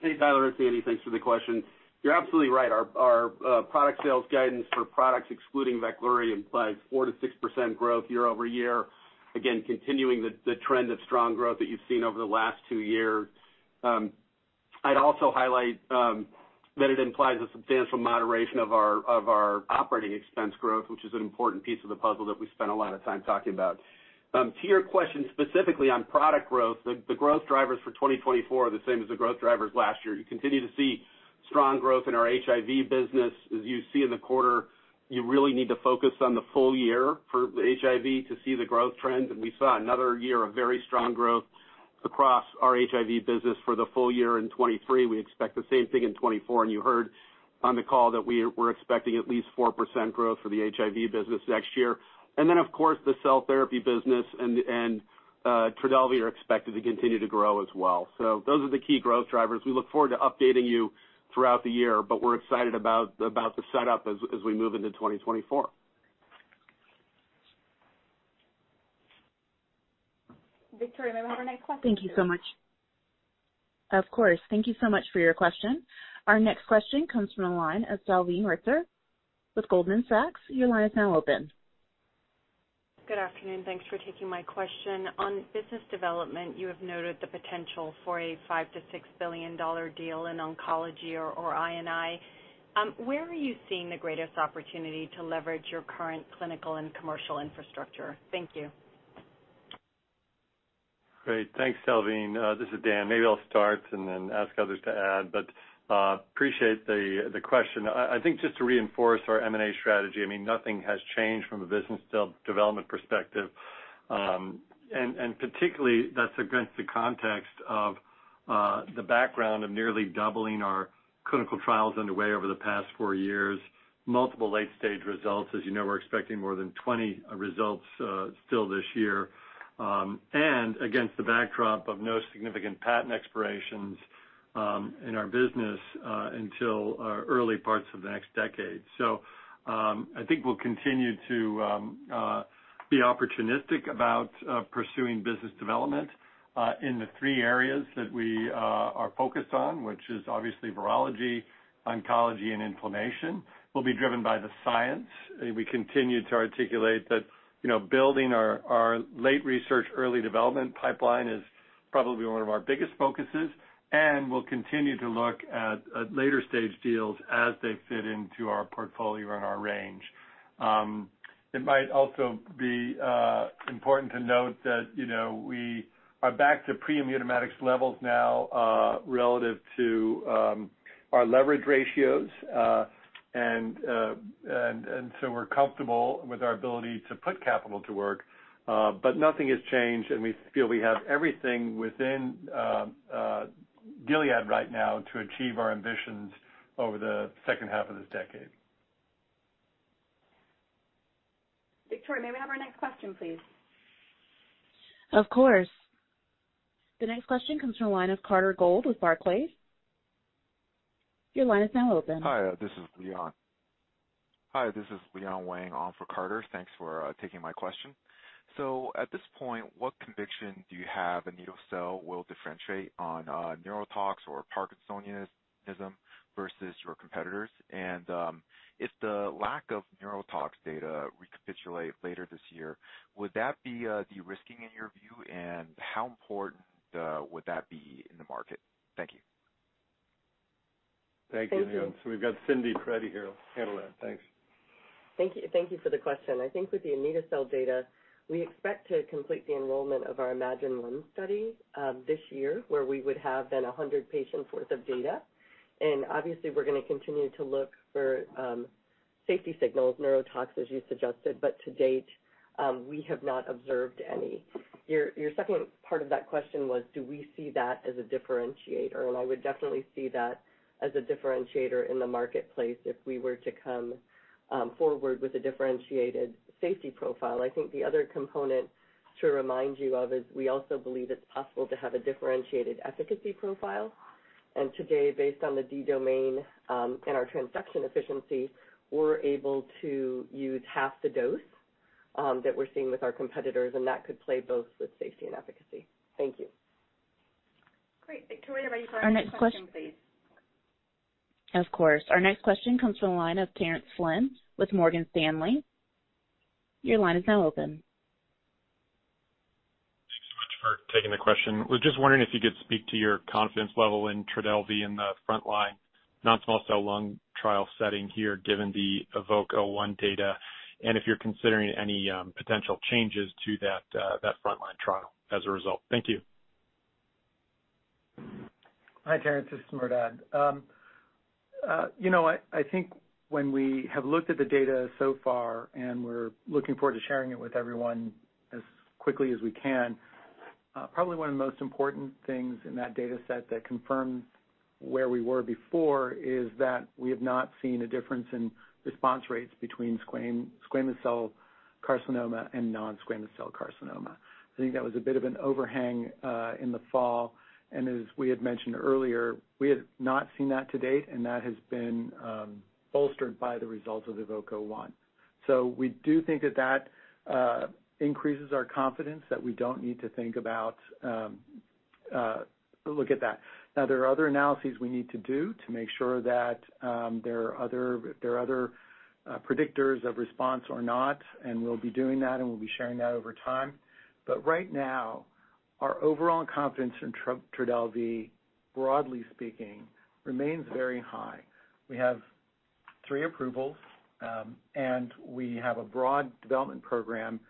Hey, Tyler, it's Andy. Thanks for the question. You're absolutely right. Our product sales guidance for products excluding Veklury implies 4%-6% growth year-over-year. Again, continuing the trend of strong growth that you've seen over the last two years. I'd also highlight that it implies a substantial moderation of our operating expense growth, which is an important piece of the puzzle that we spent a lot of time talking about. To your question, specifically on product growth, the growth drivers for 2024 are the same as the growth drivers last year. You continue to see strong growth in our HIV business. As you see in the quarter, you really need to focus on the full year for HIV to see the growth trends. We saw another year of very strong growth across our HIV business for the full year in 2023. We expect the same thing in 2024, and you heard on the call that we're expecting at least 4% growth for the HIV business next year. Then, of course, the cell therapy business and Trodelvy are expected to continue to grow as well. Those are the key growth drivers. We look forward to updating you throughout the year, but we're excited about the setup as we move into 2024. Victoria, may we have our next question? Thank you so much. Of course. Thank you so much for your question. Our next question comes from the line of Salveen Richter with Goldman Sachs. Your line is now open. Good afternoon. Thanks for taking my question. On business development, you have noted the potential for a $5 billion-$6 billion deal in oncology or, or I&I. Where are you seeing the greatest opportunity to leverage your current clinical and commercial infrastructure? Thank you. Great. Thanks, Salveen. This is Dan. Maybe I'll start and then ask others to add, but appreciate the question. I think just to reinforce our M&A strategy, I mean, nothing has changed from a business development perspective. And particularly that's against the context of the background of nearly doubling our clinical trials underway over the past four years, multiple late-stage results. As you know, we're expecting more than 20 results still this year, and against the backdrop of no significant patent expirations in our business until early parts of the next decade. So I think we'll continue to be opportunistic about pursuing business development in the three areas that we are focused on, which is obviously virology, oncology, and inflammation, will be driven by the science. We continue to articulate that, you know, building our late research, early development pipeline is probably one of our biggest focuses, and we'll continue to look at later stage deals as they fit into our portfolio and our range. It might also be important to note that, you know, we are back to pre-Immunomedics levels now, relative to our leverage ratios. And so we're comfortable with our ability to put capital to work, but nothing has changed, and we feel we have everything within Gilead right now to achieve our ambitions over the second half of this decade. Victoria, may we have our next question, please? Of course. The next question comes from the line of Carter Gould with Barclays. Your line is now open. Hi, this is Leon. Hi, this is Leon Wang on for Carter. Thanks for taking my question. So, at this point, what conviction do you have anito-cel will differentiate on, neurotox or parkinsonism versus your competitors? And, if the lack of neurotox data recapitulate later this year, would that be, de-risking in your view? And how important, would that be in the market? Thank you. Thank you, Leon. So we've got Cindy ready here to handle that. Thanks. Thank you. Thank you for the question. I think with the anito-cel data, we expect to complete the enrollment of our Imagine1 study this year, where we would have then 100 patients worth of data. And obviously, we're gonna continue to look for safety signals, neurotox, as you suggested, but to date, we have not observed any. Your, your second part of that question was, do we see that as a differentiator? And I would definitely see that as a differentiator in the marketplace if we were to come forward with a differentiated safety profile. I think the other component to remind you of is we also believe it's possible to have a differentiated efficacy profile. Today, based on the D-domain, and our transduction efficiency, we're able to use half the dose, that we're seeing with our competitors, and that could play both with safety and efficacy. Thank you. Great. Victoria, are you ready for our next question, please? Of course. Our next question comes from the line of Terence Flynn with Morgan Stanley. Your line is now open. Thanks so much for taking the question. Was just wondering if you could speak to your confidence level in Trodelvy in the frontline non-small cell lung trial setting here, given the EVOKE-01 data, and if you're considering any potential changes to that frontline trial as a result. Thank you. Hi, Terence, this is Merdad. You know what? I think when we have looked at the data so far, and we're looking forward to sharing it with everyone as quickly as we can, probably one of the most important things in that data set that confirms where we were before is that we have not seen a difference in response rates between squamous cell carcinoma and non-squamous cell carcinoma. I think that was a bit of an overhang in the fall, and as we had mentioned earlier, we have not seen that to date, and that has been bolstered by the results of the EVOKE-01. So we do think that that increases our confidence, that we don't need to think about look at that. Now, there are other analyses we need to do to make sure that there are other predictors of response or not, and we'll be doing that, and we'll be sharing that over time. But right now, our overall confidence in Trodelvy, broadly speaking, remains very high. We have three approvals, and we have a broad development program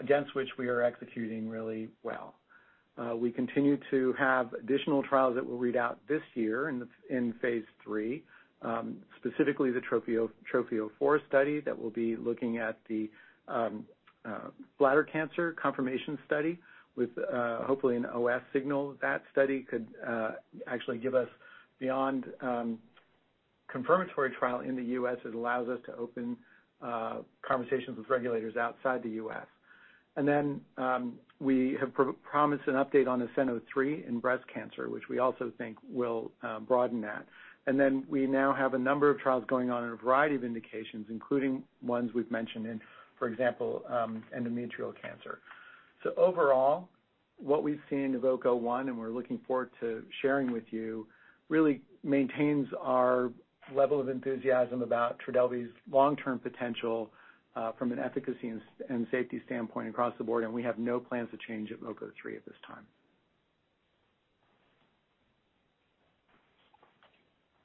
against which we are executing really well. We continue to have additional trials that will read out this Phase III, specifically the TROPiCS-04 study that will be looking at the bladder cancer confirmation study with hopefully an OS signal. That study could actually give us beyond confirmatory trial in the U.S.. It allows us to open conversations with regulators outside the U.S.. And then, we have promised an update on ASCENT-03 in breast cancer, which we also think will broaden that. And then we now have a number of trials going on in a variety of indications, including ones we've mentioned in, for example, endometrial cancer. So overall, what we've seen in EVOKE-01, and we're looking forward to sharing with you, really maintains our level of enthusiasm about Trodelvy's long-term potential from an efficacy and safety standpoint across the board, and we have no plans to change EVOKE-03 at this time.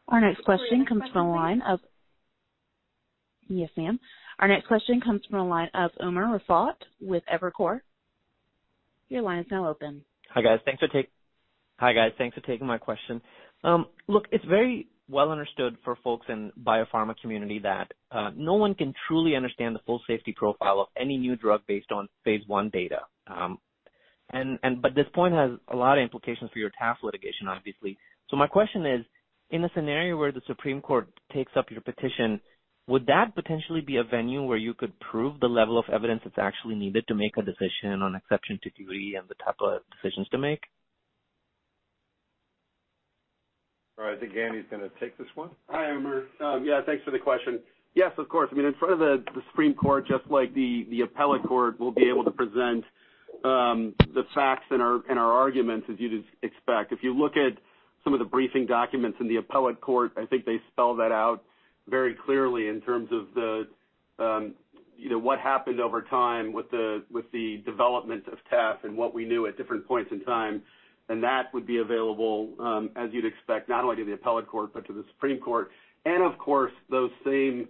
Our next question comes from the line of... Yes, ma'am. Our next question comes from the line of Umer Raffat with Evercore. Your line is now open. Hi, guys. Thanks for taking my question. Look, it's very well understood for folks in biopharma community that no one can truly understand the full safety profile of any new drug based on Phase I data. But this point has a lot of implications for your TAF litigation, obviously. So my question is, in a scenario where the Supreme Court takes up your petition, would that potentially be a venue where you could prove the level of evidence that's actually needed to make a decision on exception to duty and the type of decisions to make? All right, I think Andy is gonna take this one. Hi, Umer. Yeah, thanks for the question. Yes, of course. I mean, in front of the Supreme Court, just like the appellate court, we'll be able to present the facts and our arguments, as you'd expect. If you look at some of the briefing documents in the appellate court, I think they spell that out very clearly in terms of the you know, what happened over time with the development of TAF and what we knew at different points in time. And that would be available, as you'd expect, not only to the appellate court, but to the Supreme Court. And of course, those same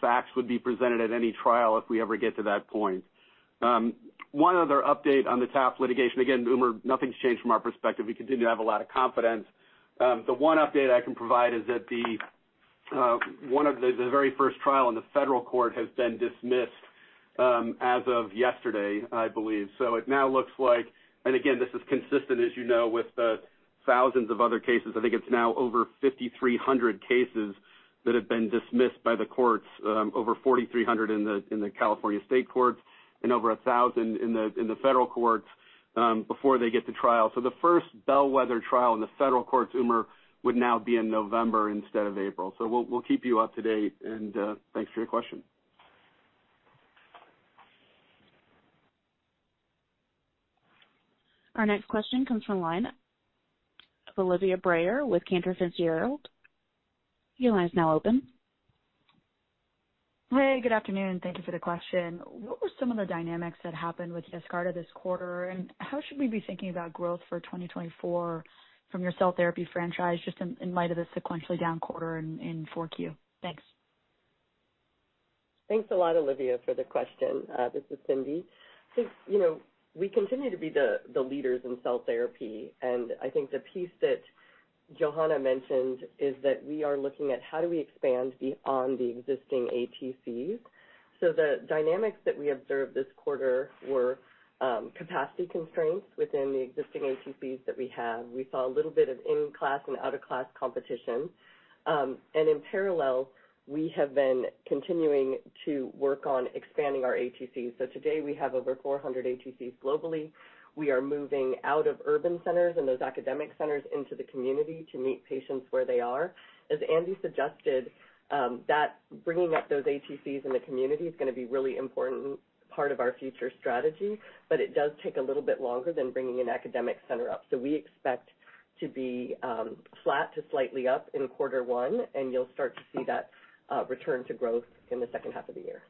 facts would be presented at any trial if we ever get to that point. One other update on the TAF litigation, again, Umer, nothing's changed from our perspective. We continue to have a lot of confidence. The one update I can provide is that the very first trial in the federal court has been dismissed, as of yesterday, I believe. So it now looks like... And again, this is consistent, as you know, with the thousands of other cases. I think it's now over 5,300 cases that have been dismissed by the courts, over 4,300 in the California state courts and over 1,000 in the federal courts, before they get to trial. So the first bellwether trial in the federal courts, Umer, would now be in November instead of April. So we'll keep you up to date, and thanks for your question. Our next question comes from line of Olivia Brayer with Cantor Fitzgerald. Your line is now open. Hey, good afternoon. Thank you for the question. What were some of the dynamics that happened with Yescarta this quarter, and how should we be thinking about growth for 2024 from your cell therapy franchise, just in light of the sequentially down quarter in Q4? Thanks. Thanks a lot, Olivia, for the question. This is Cindy. I think, you know, we continue to be the leaders in cell therapy, and I think the piece that Johanna mentioned is that we are looking at how do we expand beyond the existing ATCs. So the dynamics that we observed this quarter were capacity constraints within the existing ATCs that we have. We saw a little bit of in-class and out-of-class competition, and in parallel, we have been continuing to work on expanding our ATCs. So today, we have over 400 ATCs globally. We are moving out of urban centers and those academic centers into the community to meet patients where they are. As Andy suggested, that bringing up those ATCs in the community is going to be really important part of our future strategy, but it does take a little bit longer than bringing an academic center up. We expect to be flat to slightly up in quarter one, and you'll start to see that return to growth in the second half of the year.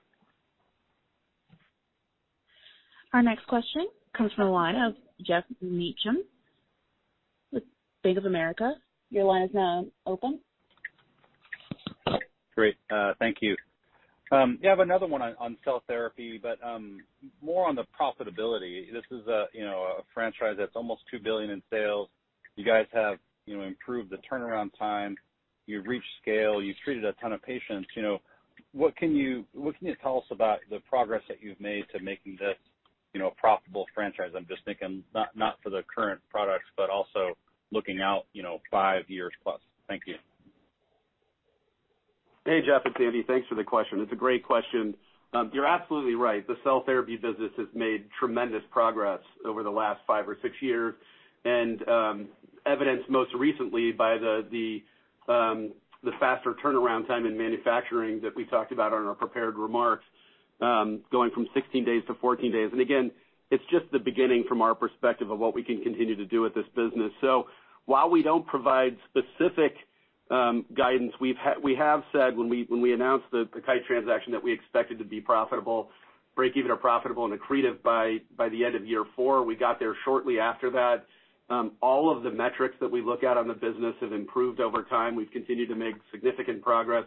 Our next question comes from the line of Geoff Meacham with Bank of America. Your line is now open. Great, thank you. Yeah, I have another one on, on cell therapy, but, more on the profitability. This is a, you know, a franchise that's almost $2 billion in sales. You guys have, you know, improved the turnaround time, you've reached scale, you've treated a ton of patients. You know, what can you, what can you tell us about the progress that you've made to making this, you know, a profitable franchise? I'm just thinking not, not for the current products, but also looking out, you know, five years plus. Thank you. Hey, Geoff, it's Andy. Thanks for the question. It's a great question. You're absolutely right. The cell therapy business has made tremendous progress over the last five or six years, and evidenced most recently by the faster turnaround time in manufacturing that we talked about on our prepared remarks, going from 16 days to 14 days. And again, it's just the beginning, from our perspective, of what we can continue to do with this business. So while we don't provide specific guidance, we have said when we announced the Kite transaction, that we expected to be profitable, breakeven or profitable and accretive by the end of year 4. We got there shortly after that. All of the metrics that we look at on the business have improved over time. We've continued to make significant progress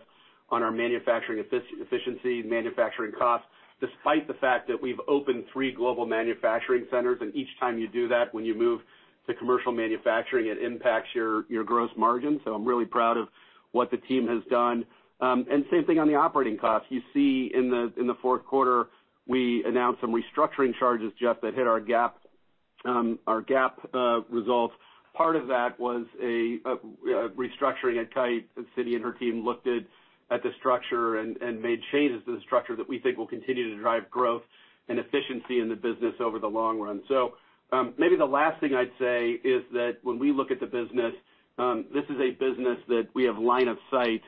on our manufacturing efficiency, manufacturing costs, despite the fact that we've opened three global manufacturing centers, and each time you do that, when you move to commercial manufacturing, it impacts your gross margin. So I'm really proud of what the team has done. And same thing on the operating costs. You see in the fourth quarter, we announced some restructuring charges, Geoff, that hit our GAAP results. Part of that was a restructuring at Kite. Cindy and her team looked at the structure and made changes to the structure that we think will continue to drive growth and efficiency in the business over the long run. Maybe the last thing I'd say is that when we look at the business, this is a business that we have line of sight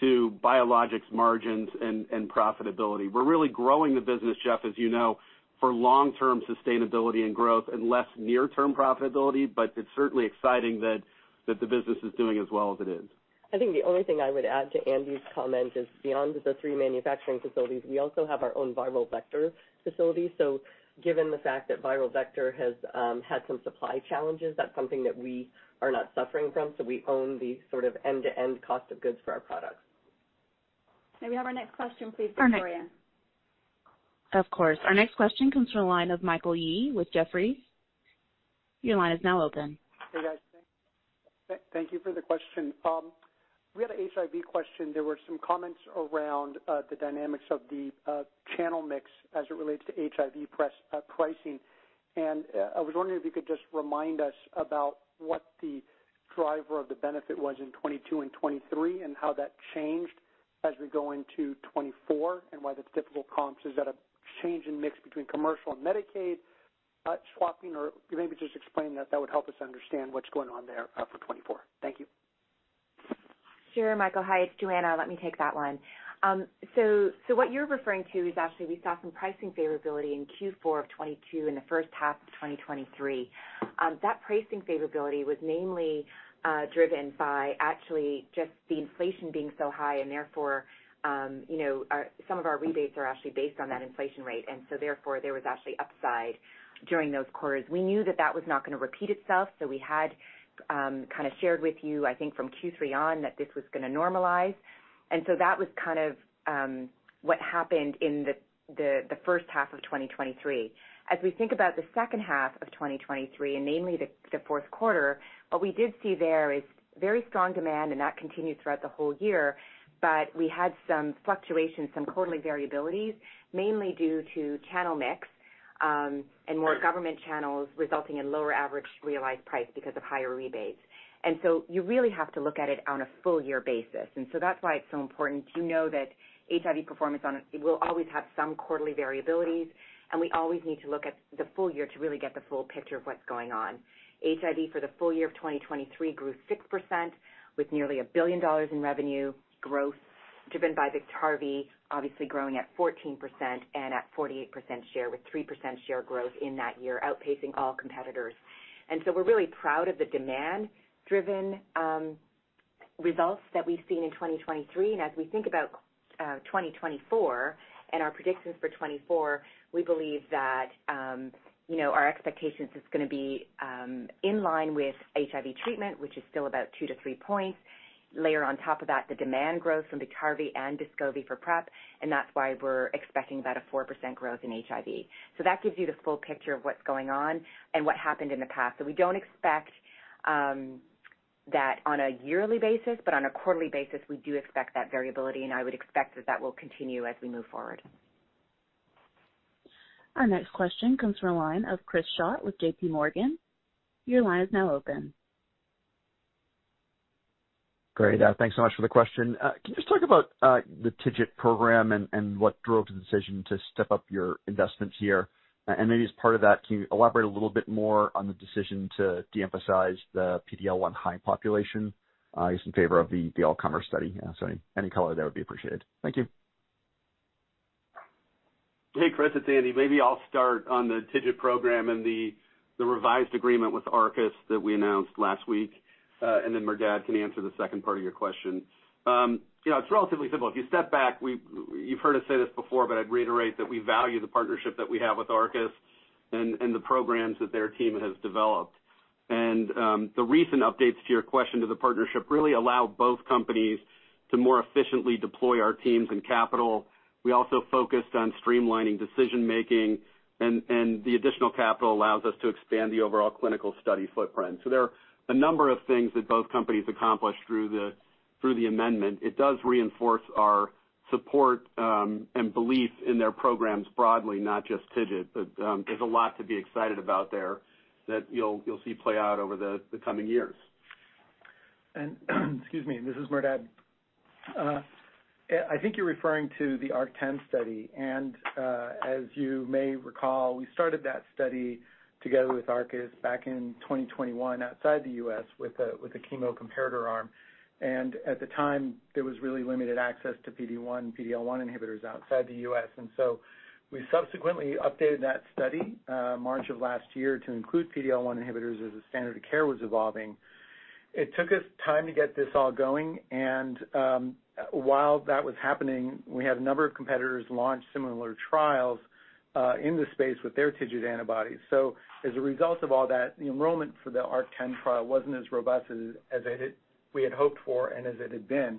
to biologics margins and profitability. We're really growing the business, Geoff, as you know, for long-term sustainability and growth and less near-term profitability, but it's certainly exciting that the business is doing as well as it is. I think the only thing I would add to Andy's comment is, beyond the three manufacturing facilities, we also have our own viral vector facilities. So given the fact that viral vector has had some supply challenges, that's something that we are not suffering from. So we own the sort of end-to-end cost of goods for our products. May we have our next question, please, Victoria? Of course. Our next question comes from the line of Michael Yee with Jefferies. Your line is now open. Hey, guys. Thank you for the question. We had an HIV question. There were some comments around the dynamics of the channel mix as it relates to HIV PrEP pricing. And I was wondering if you could just remind us about what the driver of the benefit was in 2022 and 2023, and how that changed as we go into 2024, and why that's difficult. Is that a change in mix between commercial and Medicaid swapping? Or maybe just explaining that would help us understand what's going on there for 2024. Thank you. Sure, Michael. Hi, it's Johanna. Let me take that one. So, so what you're referring to is actually we saw some pricing favorability in Q4 of 2022 and the first half of 2023. That pricing favorability was mainly driven by actually just the inflation being so high and therefore, you know, some of our rebates are actually based on that inflation rate, and so therefore, there was actually upside during those quarters. We knew that that was not going to repeat itself, so we had kind of shared with you, I think, from Q3 on, that this was going to normalize. And so that was kind of what happened in the first half of 2023. As we think about the second half of 2023, and namely the fourth quarter, what we did see there is very strong demand, and that continued throughout the whole year, but we had some fluctuations, some quarterly variabilities, mainly due to channel mix, and more government channels resulting in lower average realized price because of higher rebates. And so you really have to look at it on a full year basis. And so that's why it's so important to know that HIV performance on it will always have some quarterly variabilities, and we always need to look at the full year to really get the full picture of what's going on. HIV, for the full year of 2023, grew 6%, with nearly $1 billion in revenue growth, driven by Biktarvy, obviously growing at 14% and at 48% share, with 3% share growth in that year, outpacing all competitors. And so we're really proud of the demand-driven, results that we've seen in 2023. And as we think about, 2024 and our predictions for 2024, we believe that, you know, our expectations is going to be, in line with HIV treatment, which is still about 2-3 points. Layer on top of that, the demand growth from Biktarvy and Descovy for PrEP, and that's why we're expecting about a 4% growth in HIV. So that gives you the full picture of what's going on and what happened in the past. So we don't expect that on a yearly basis, but on a quarterly basis, we do expect that variability, and I would expect that that will continue as we move forward. Our next question comes from a line of Chris Schott with J.P. Morgan. Your line is now open. ... Great. Thanks so much for the question. Can you just talk about the TIGIT program and what drove the decision to step up your investments here? And maybe as part of that, can you elaborate a little bit more on the decision to de-emphasize the PD-L1 high population in favor of the all-comers study? So any color there would be appreciated. Thank you. Hey, Chris, it's Andy. Maybe I'll start on the TIGIT program and the revised agreement with Arcus that we announced last week, and then Merdad can answer the second part of your question. You know, it's relatively simple. If you step back, you've heard us say this before, but I'd reiterate that we value the partnership that we have with Arcus and the programs that their team has developed. And the recent updates to your question to the partnership really allow both companies to more efficiently deploy our teams and capital. We also focused on streamlining decision-making, and the additional capital allows us to expand the overall clinical study footprint. So there are a number of things that both companies accomplished through the amendment. It does reinforce our support and belief in their programs broadly, not just TIGIT. There's a lot to be excited about there that you'll see play out over the coming years. And, excuse me, this is Merdad. I think you're referring to the ARC-10 study, and, as you may recall, we started that study together with Arcus back in 2021 outside the U.S. with a chemo comparator arm. And at the time, there was really limited access to PD-1, PD-L1 inhibitors outside the U.S. And so we subsequently updated that study, March of last year, to include PD-L1 inhibitors as the standard of care was evolving. It took us time to get this all going, and, while that was happening, we had a number of competitors launch similar trials in the space with their TIGIT antibodies. So as a result of all that, the enrollment for the ARC-10 trial wasn't as robust as it had... we had hoped for and as it had been.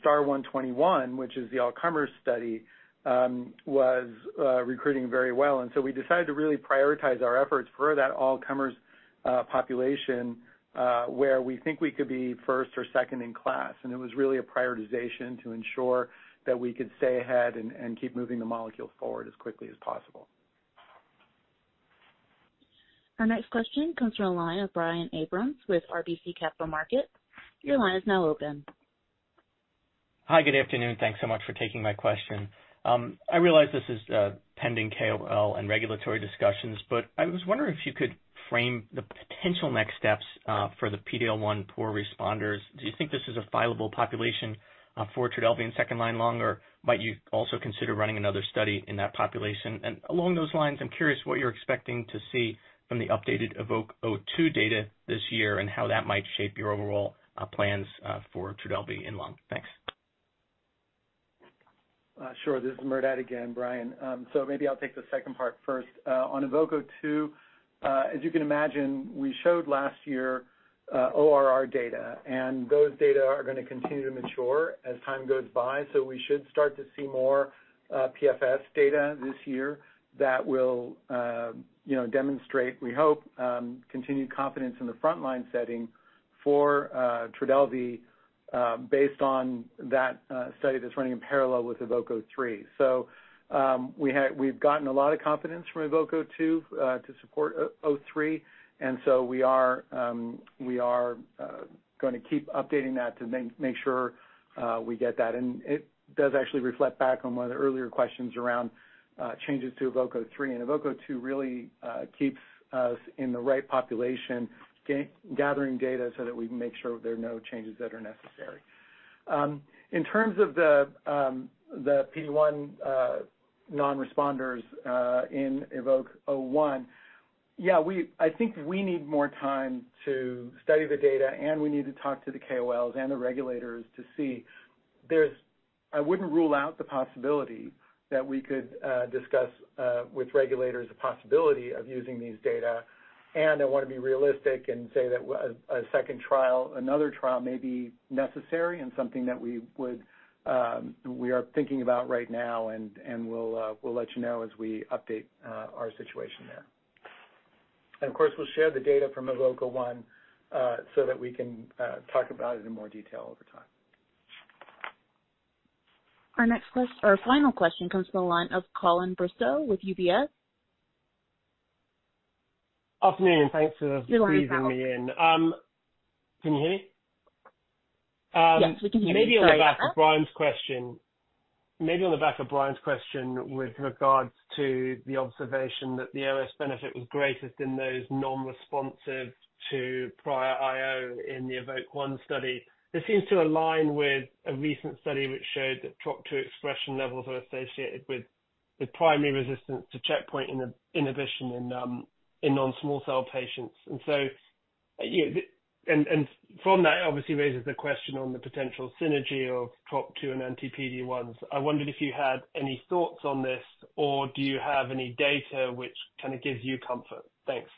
STAR-121, which is the all-comers study, was recruiting very well. And so we decided to really prioritize our efforts for that all-comers population, where we think we could be first or second in class. And it was really a prioritization to ensure that we could stay ahead and keep moving the molecule forward as quickly as possible. Our next question comes from the line of Brian Abrahams with RBC Capital Markets. Your line is now open. Hi, good afternoon. Thanks so much for taking my question. I realize this is, pending KOL and regulatory discussions, but I was wondering if you could frame the potential next steps, for the PD-L1 poor responders. Do you think this is a filable population, for Trodelvy and second-line lung, or might you also consider running another study in that population? And along those lines, I'm curious what you're expecting to see from the updated EVOKE-02 data this year and how that might shape your overall, plans, for Trodelvy in lung. Thanks. Sure. This is Merdad again, Brian. So maybe I'll take the second part first. On EVOKE-02, as you can imagine, we showed last year, ORR data, and those data are gonna continue to mature as time goes by, so we should start to see more, PFS data this year that will, you know, demonstrate, we hope, continued confidence in the frontline setting for, Trodelvy, based on that, study that's running in parallel with EVOKE-03. So, we've gotten a lot of confidence from EVOKE-02, to support EVOKE-03, and so we are going to keep updating that to make sure, we get that. And it does actually reflect back on one of the earlier questions around, changes to EVOKE-03, and EVOKE-02 really, keeps us in the right population gathering data so that we can make sure there are no changes that are necessary. In terms of the, the PD-1, non-responders, in EVOKE-01, yeah, we... I think we need more time to study the data, and we need to talk to the KOLs and the regulators to see. There's. I wouldn't rule out the possibility that we could, discuss, with regulators the possibility of using these data, and I want to be realistic and say that a, a second trial, another trial, may be necessary and something that we would, we are thinking about right now, and, and we'll, we'll let you know as we update, our situation there. Of course, we'll share the data from EVOKE-01 so that we can talk about it in more detail over time. Our next question, our final question comes from the line of Colin Bristow with UBS. Afternoon, and thanks for squeezing me in. Your line is now open. Can you hear me? Yes, we can hear you. Maybe on the back of Brian's question, maybe on the back of Brian's question with regards to the observation that the OS benefit was greatest in those non-responsive to prior IO in the EVOKE-01 study. This seems to align with a recent study which showed that Trop-2 expression levels are associated with primary resistance to checkpoint inhibition in non-small cell patients. And so, you know, and from that, obviously raises the question on the potential synergy of Trop-2 and anti-PD-1s. I wondered if you had any thoughts on this, or do you have any data which kind of gives you comfort? Thanks.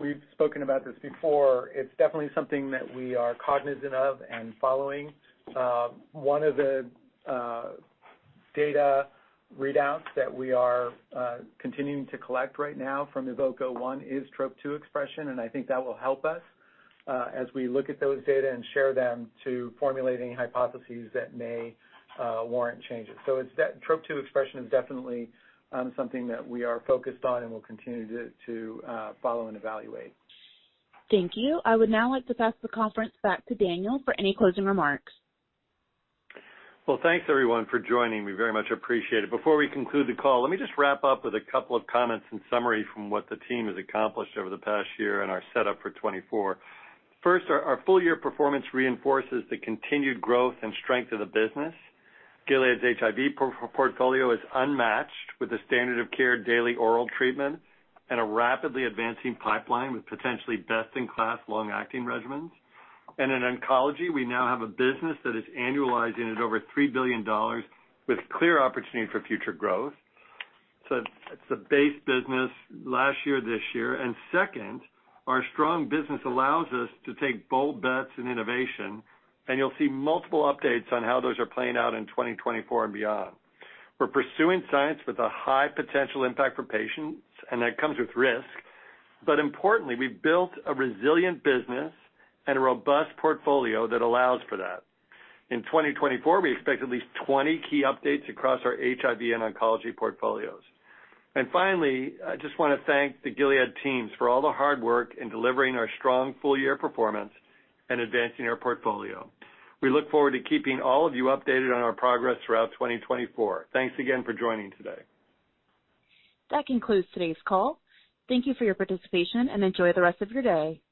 We've spoken about this before. It's definitely something that we are cognizant of and following. One of the data readouts that we are continuing to collect right now from EVOKE-01 is Trop-2 expression, and I think that will help us as we look at those data and share them to formulating hypotheses that may warrant changes. So it's that Trop-2 expression is definitely something that we are focused on and will continue to follow and evaluate. Thank you. I would now like to pass the conference back to Daniel for any closing remarks. Well, thanks everyone for joining me. Very much appreciate it. Before we conclude the call, let me just wrap up with a couple of comments and summary from what the team has accomplished over the past year and our setup for 2024. First, our full year performance reinforces the continued growth and strength of the business. Gilead's HIV portfolio is unmatched with the standard of care daily oral treatment and a rapidly advancing pipeline with potentially best-in-class long-acting regimens. And in oncology, we now have a business that is annualizing at over $3 billion with clear opportunity for future growth. So it's a base business last year, this year. And second, our strong business allows us to take bold bets in innovation, and you'll see multiple updates on how those are playing out in 2024 and beyond. We're pursuing science with a high potential impact for patients, and that comes with risk. But importantly, we've built a resilient business and a robust portfolio that allows for that. In 2024, we expect at least 20 key updates across our HIV and oncology portfolios. And finally, I just want to thank the Gilead teams for all the hard work in delivering our strong full year performance and advancing our portfolio. We look forward to keeping all of you updated on our progress throughout 2024. Thanks again for joining today. That concludes today's call. Thank you for your participation, and enjoy the rest of your day.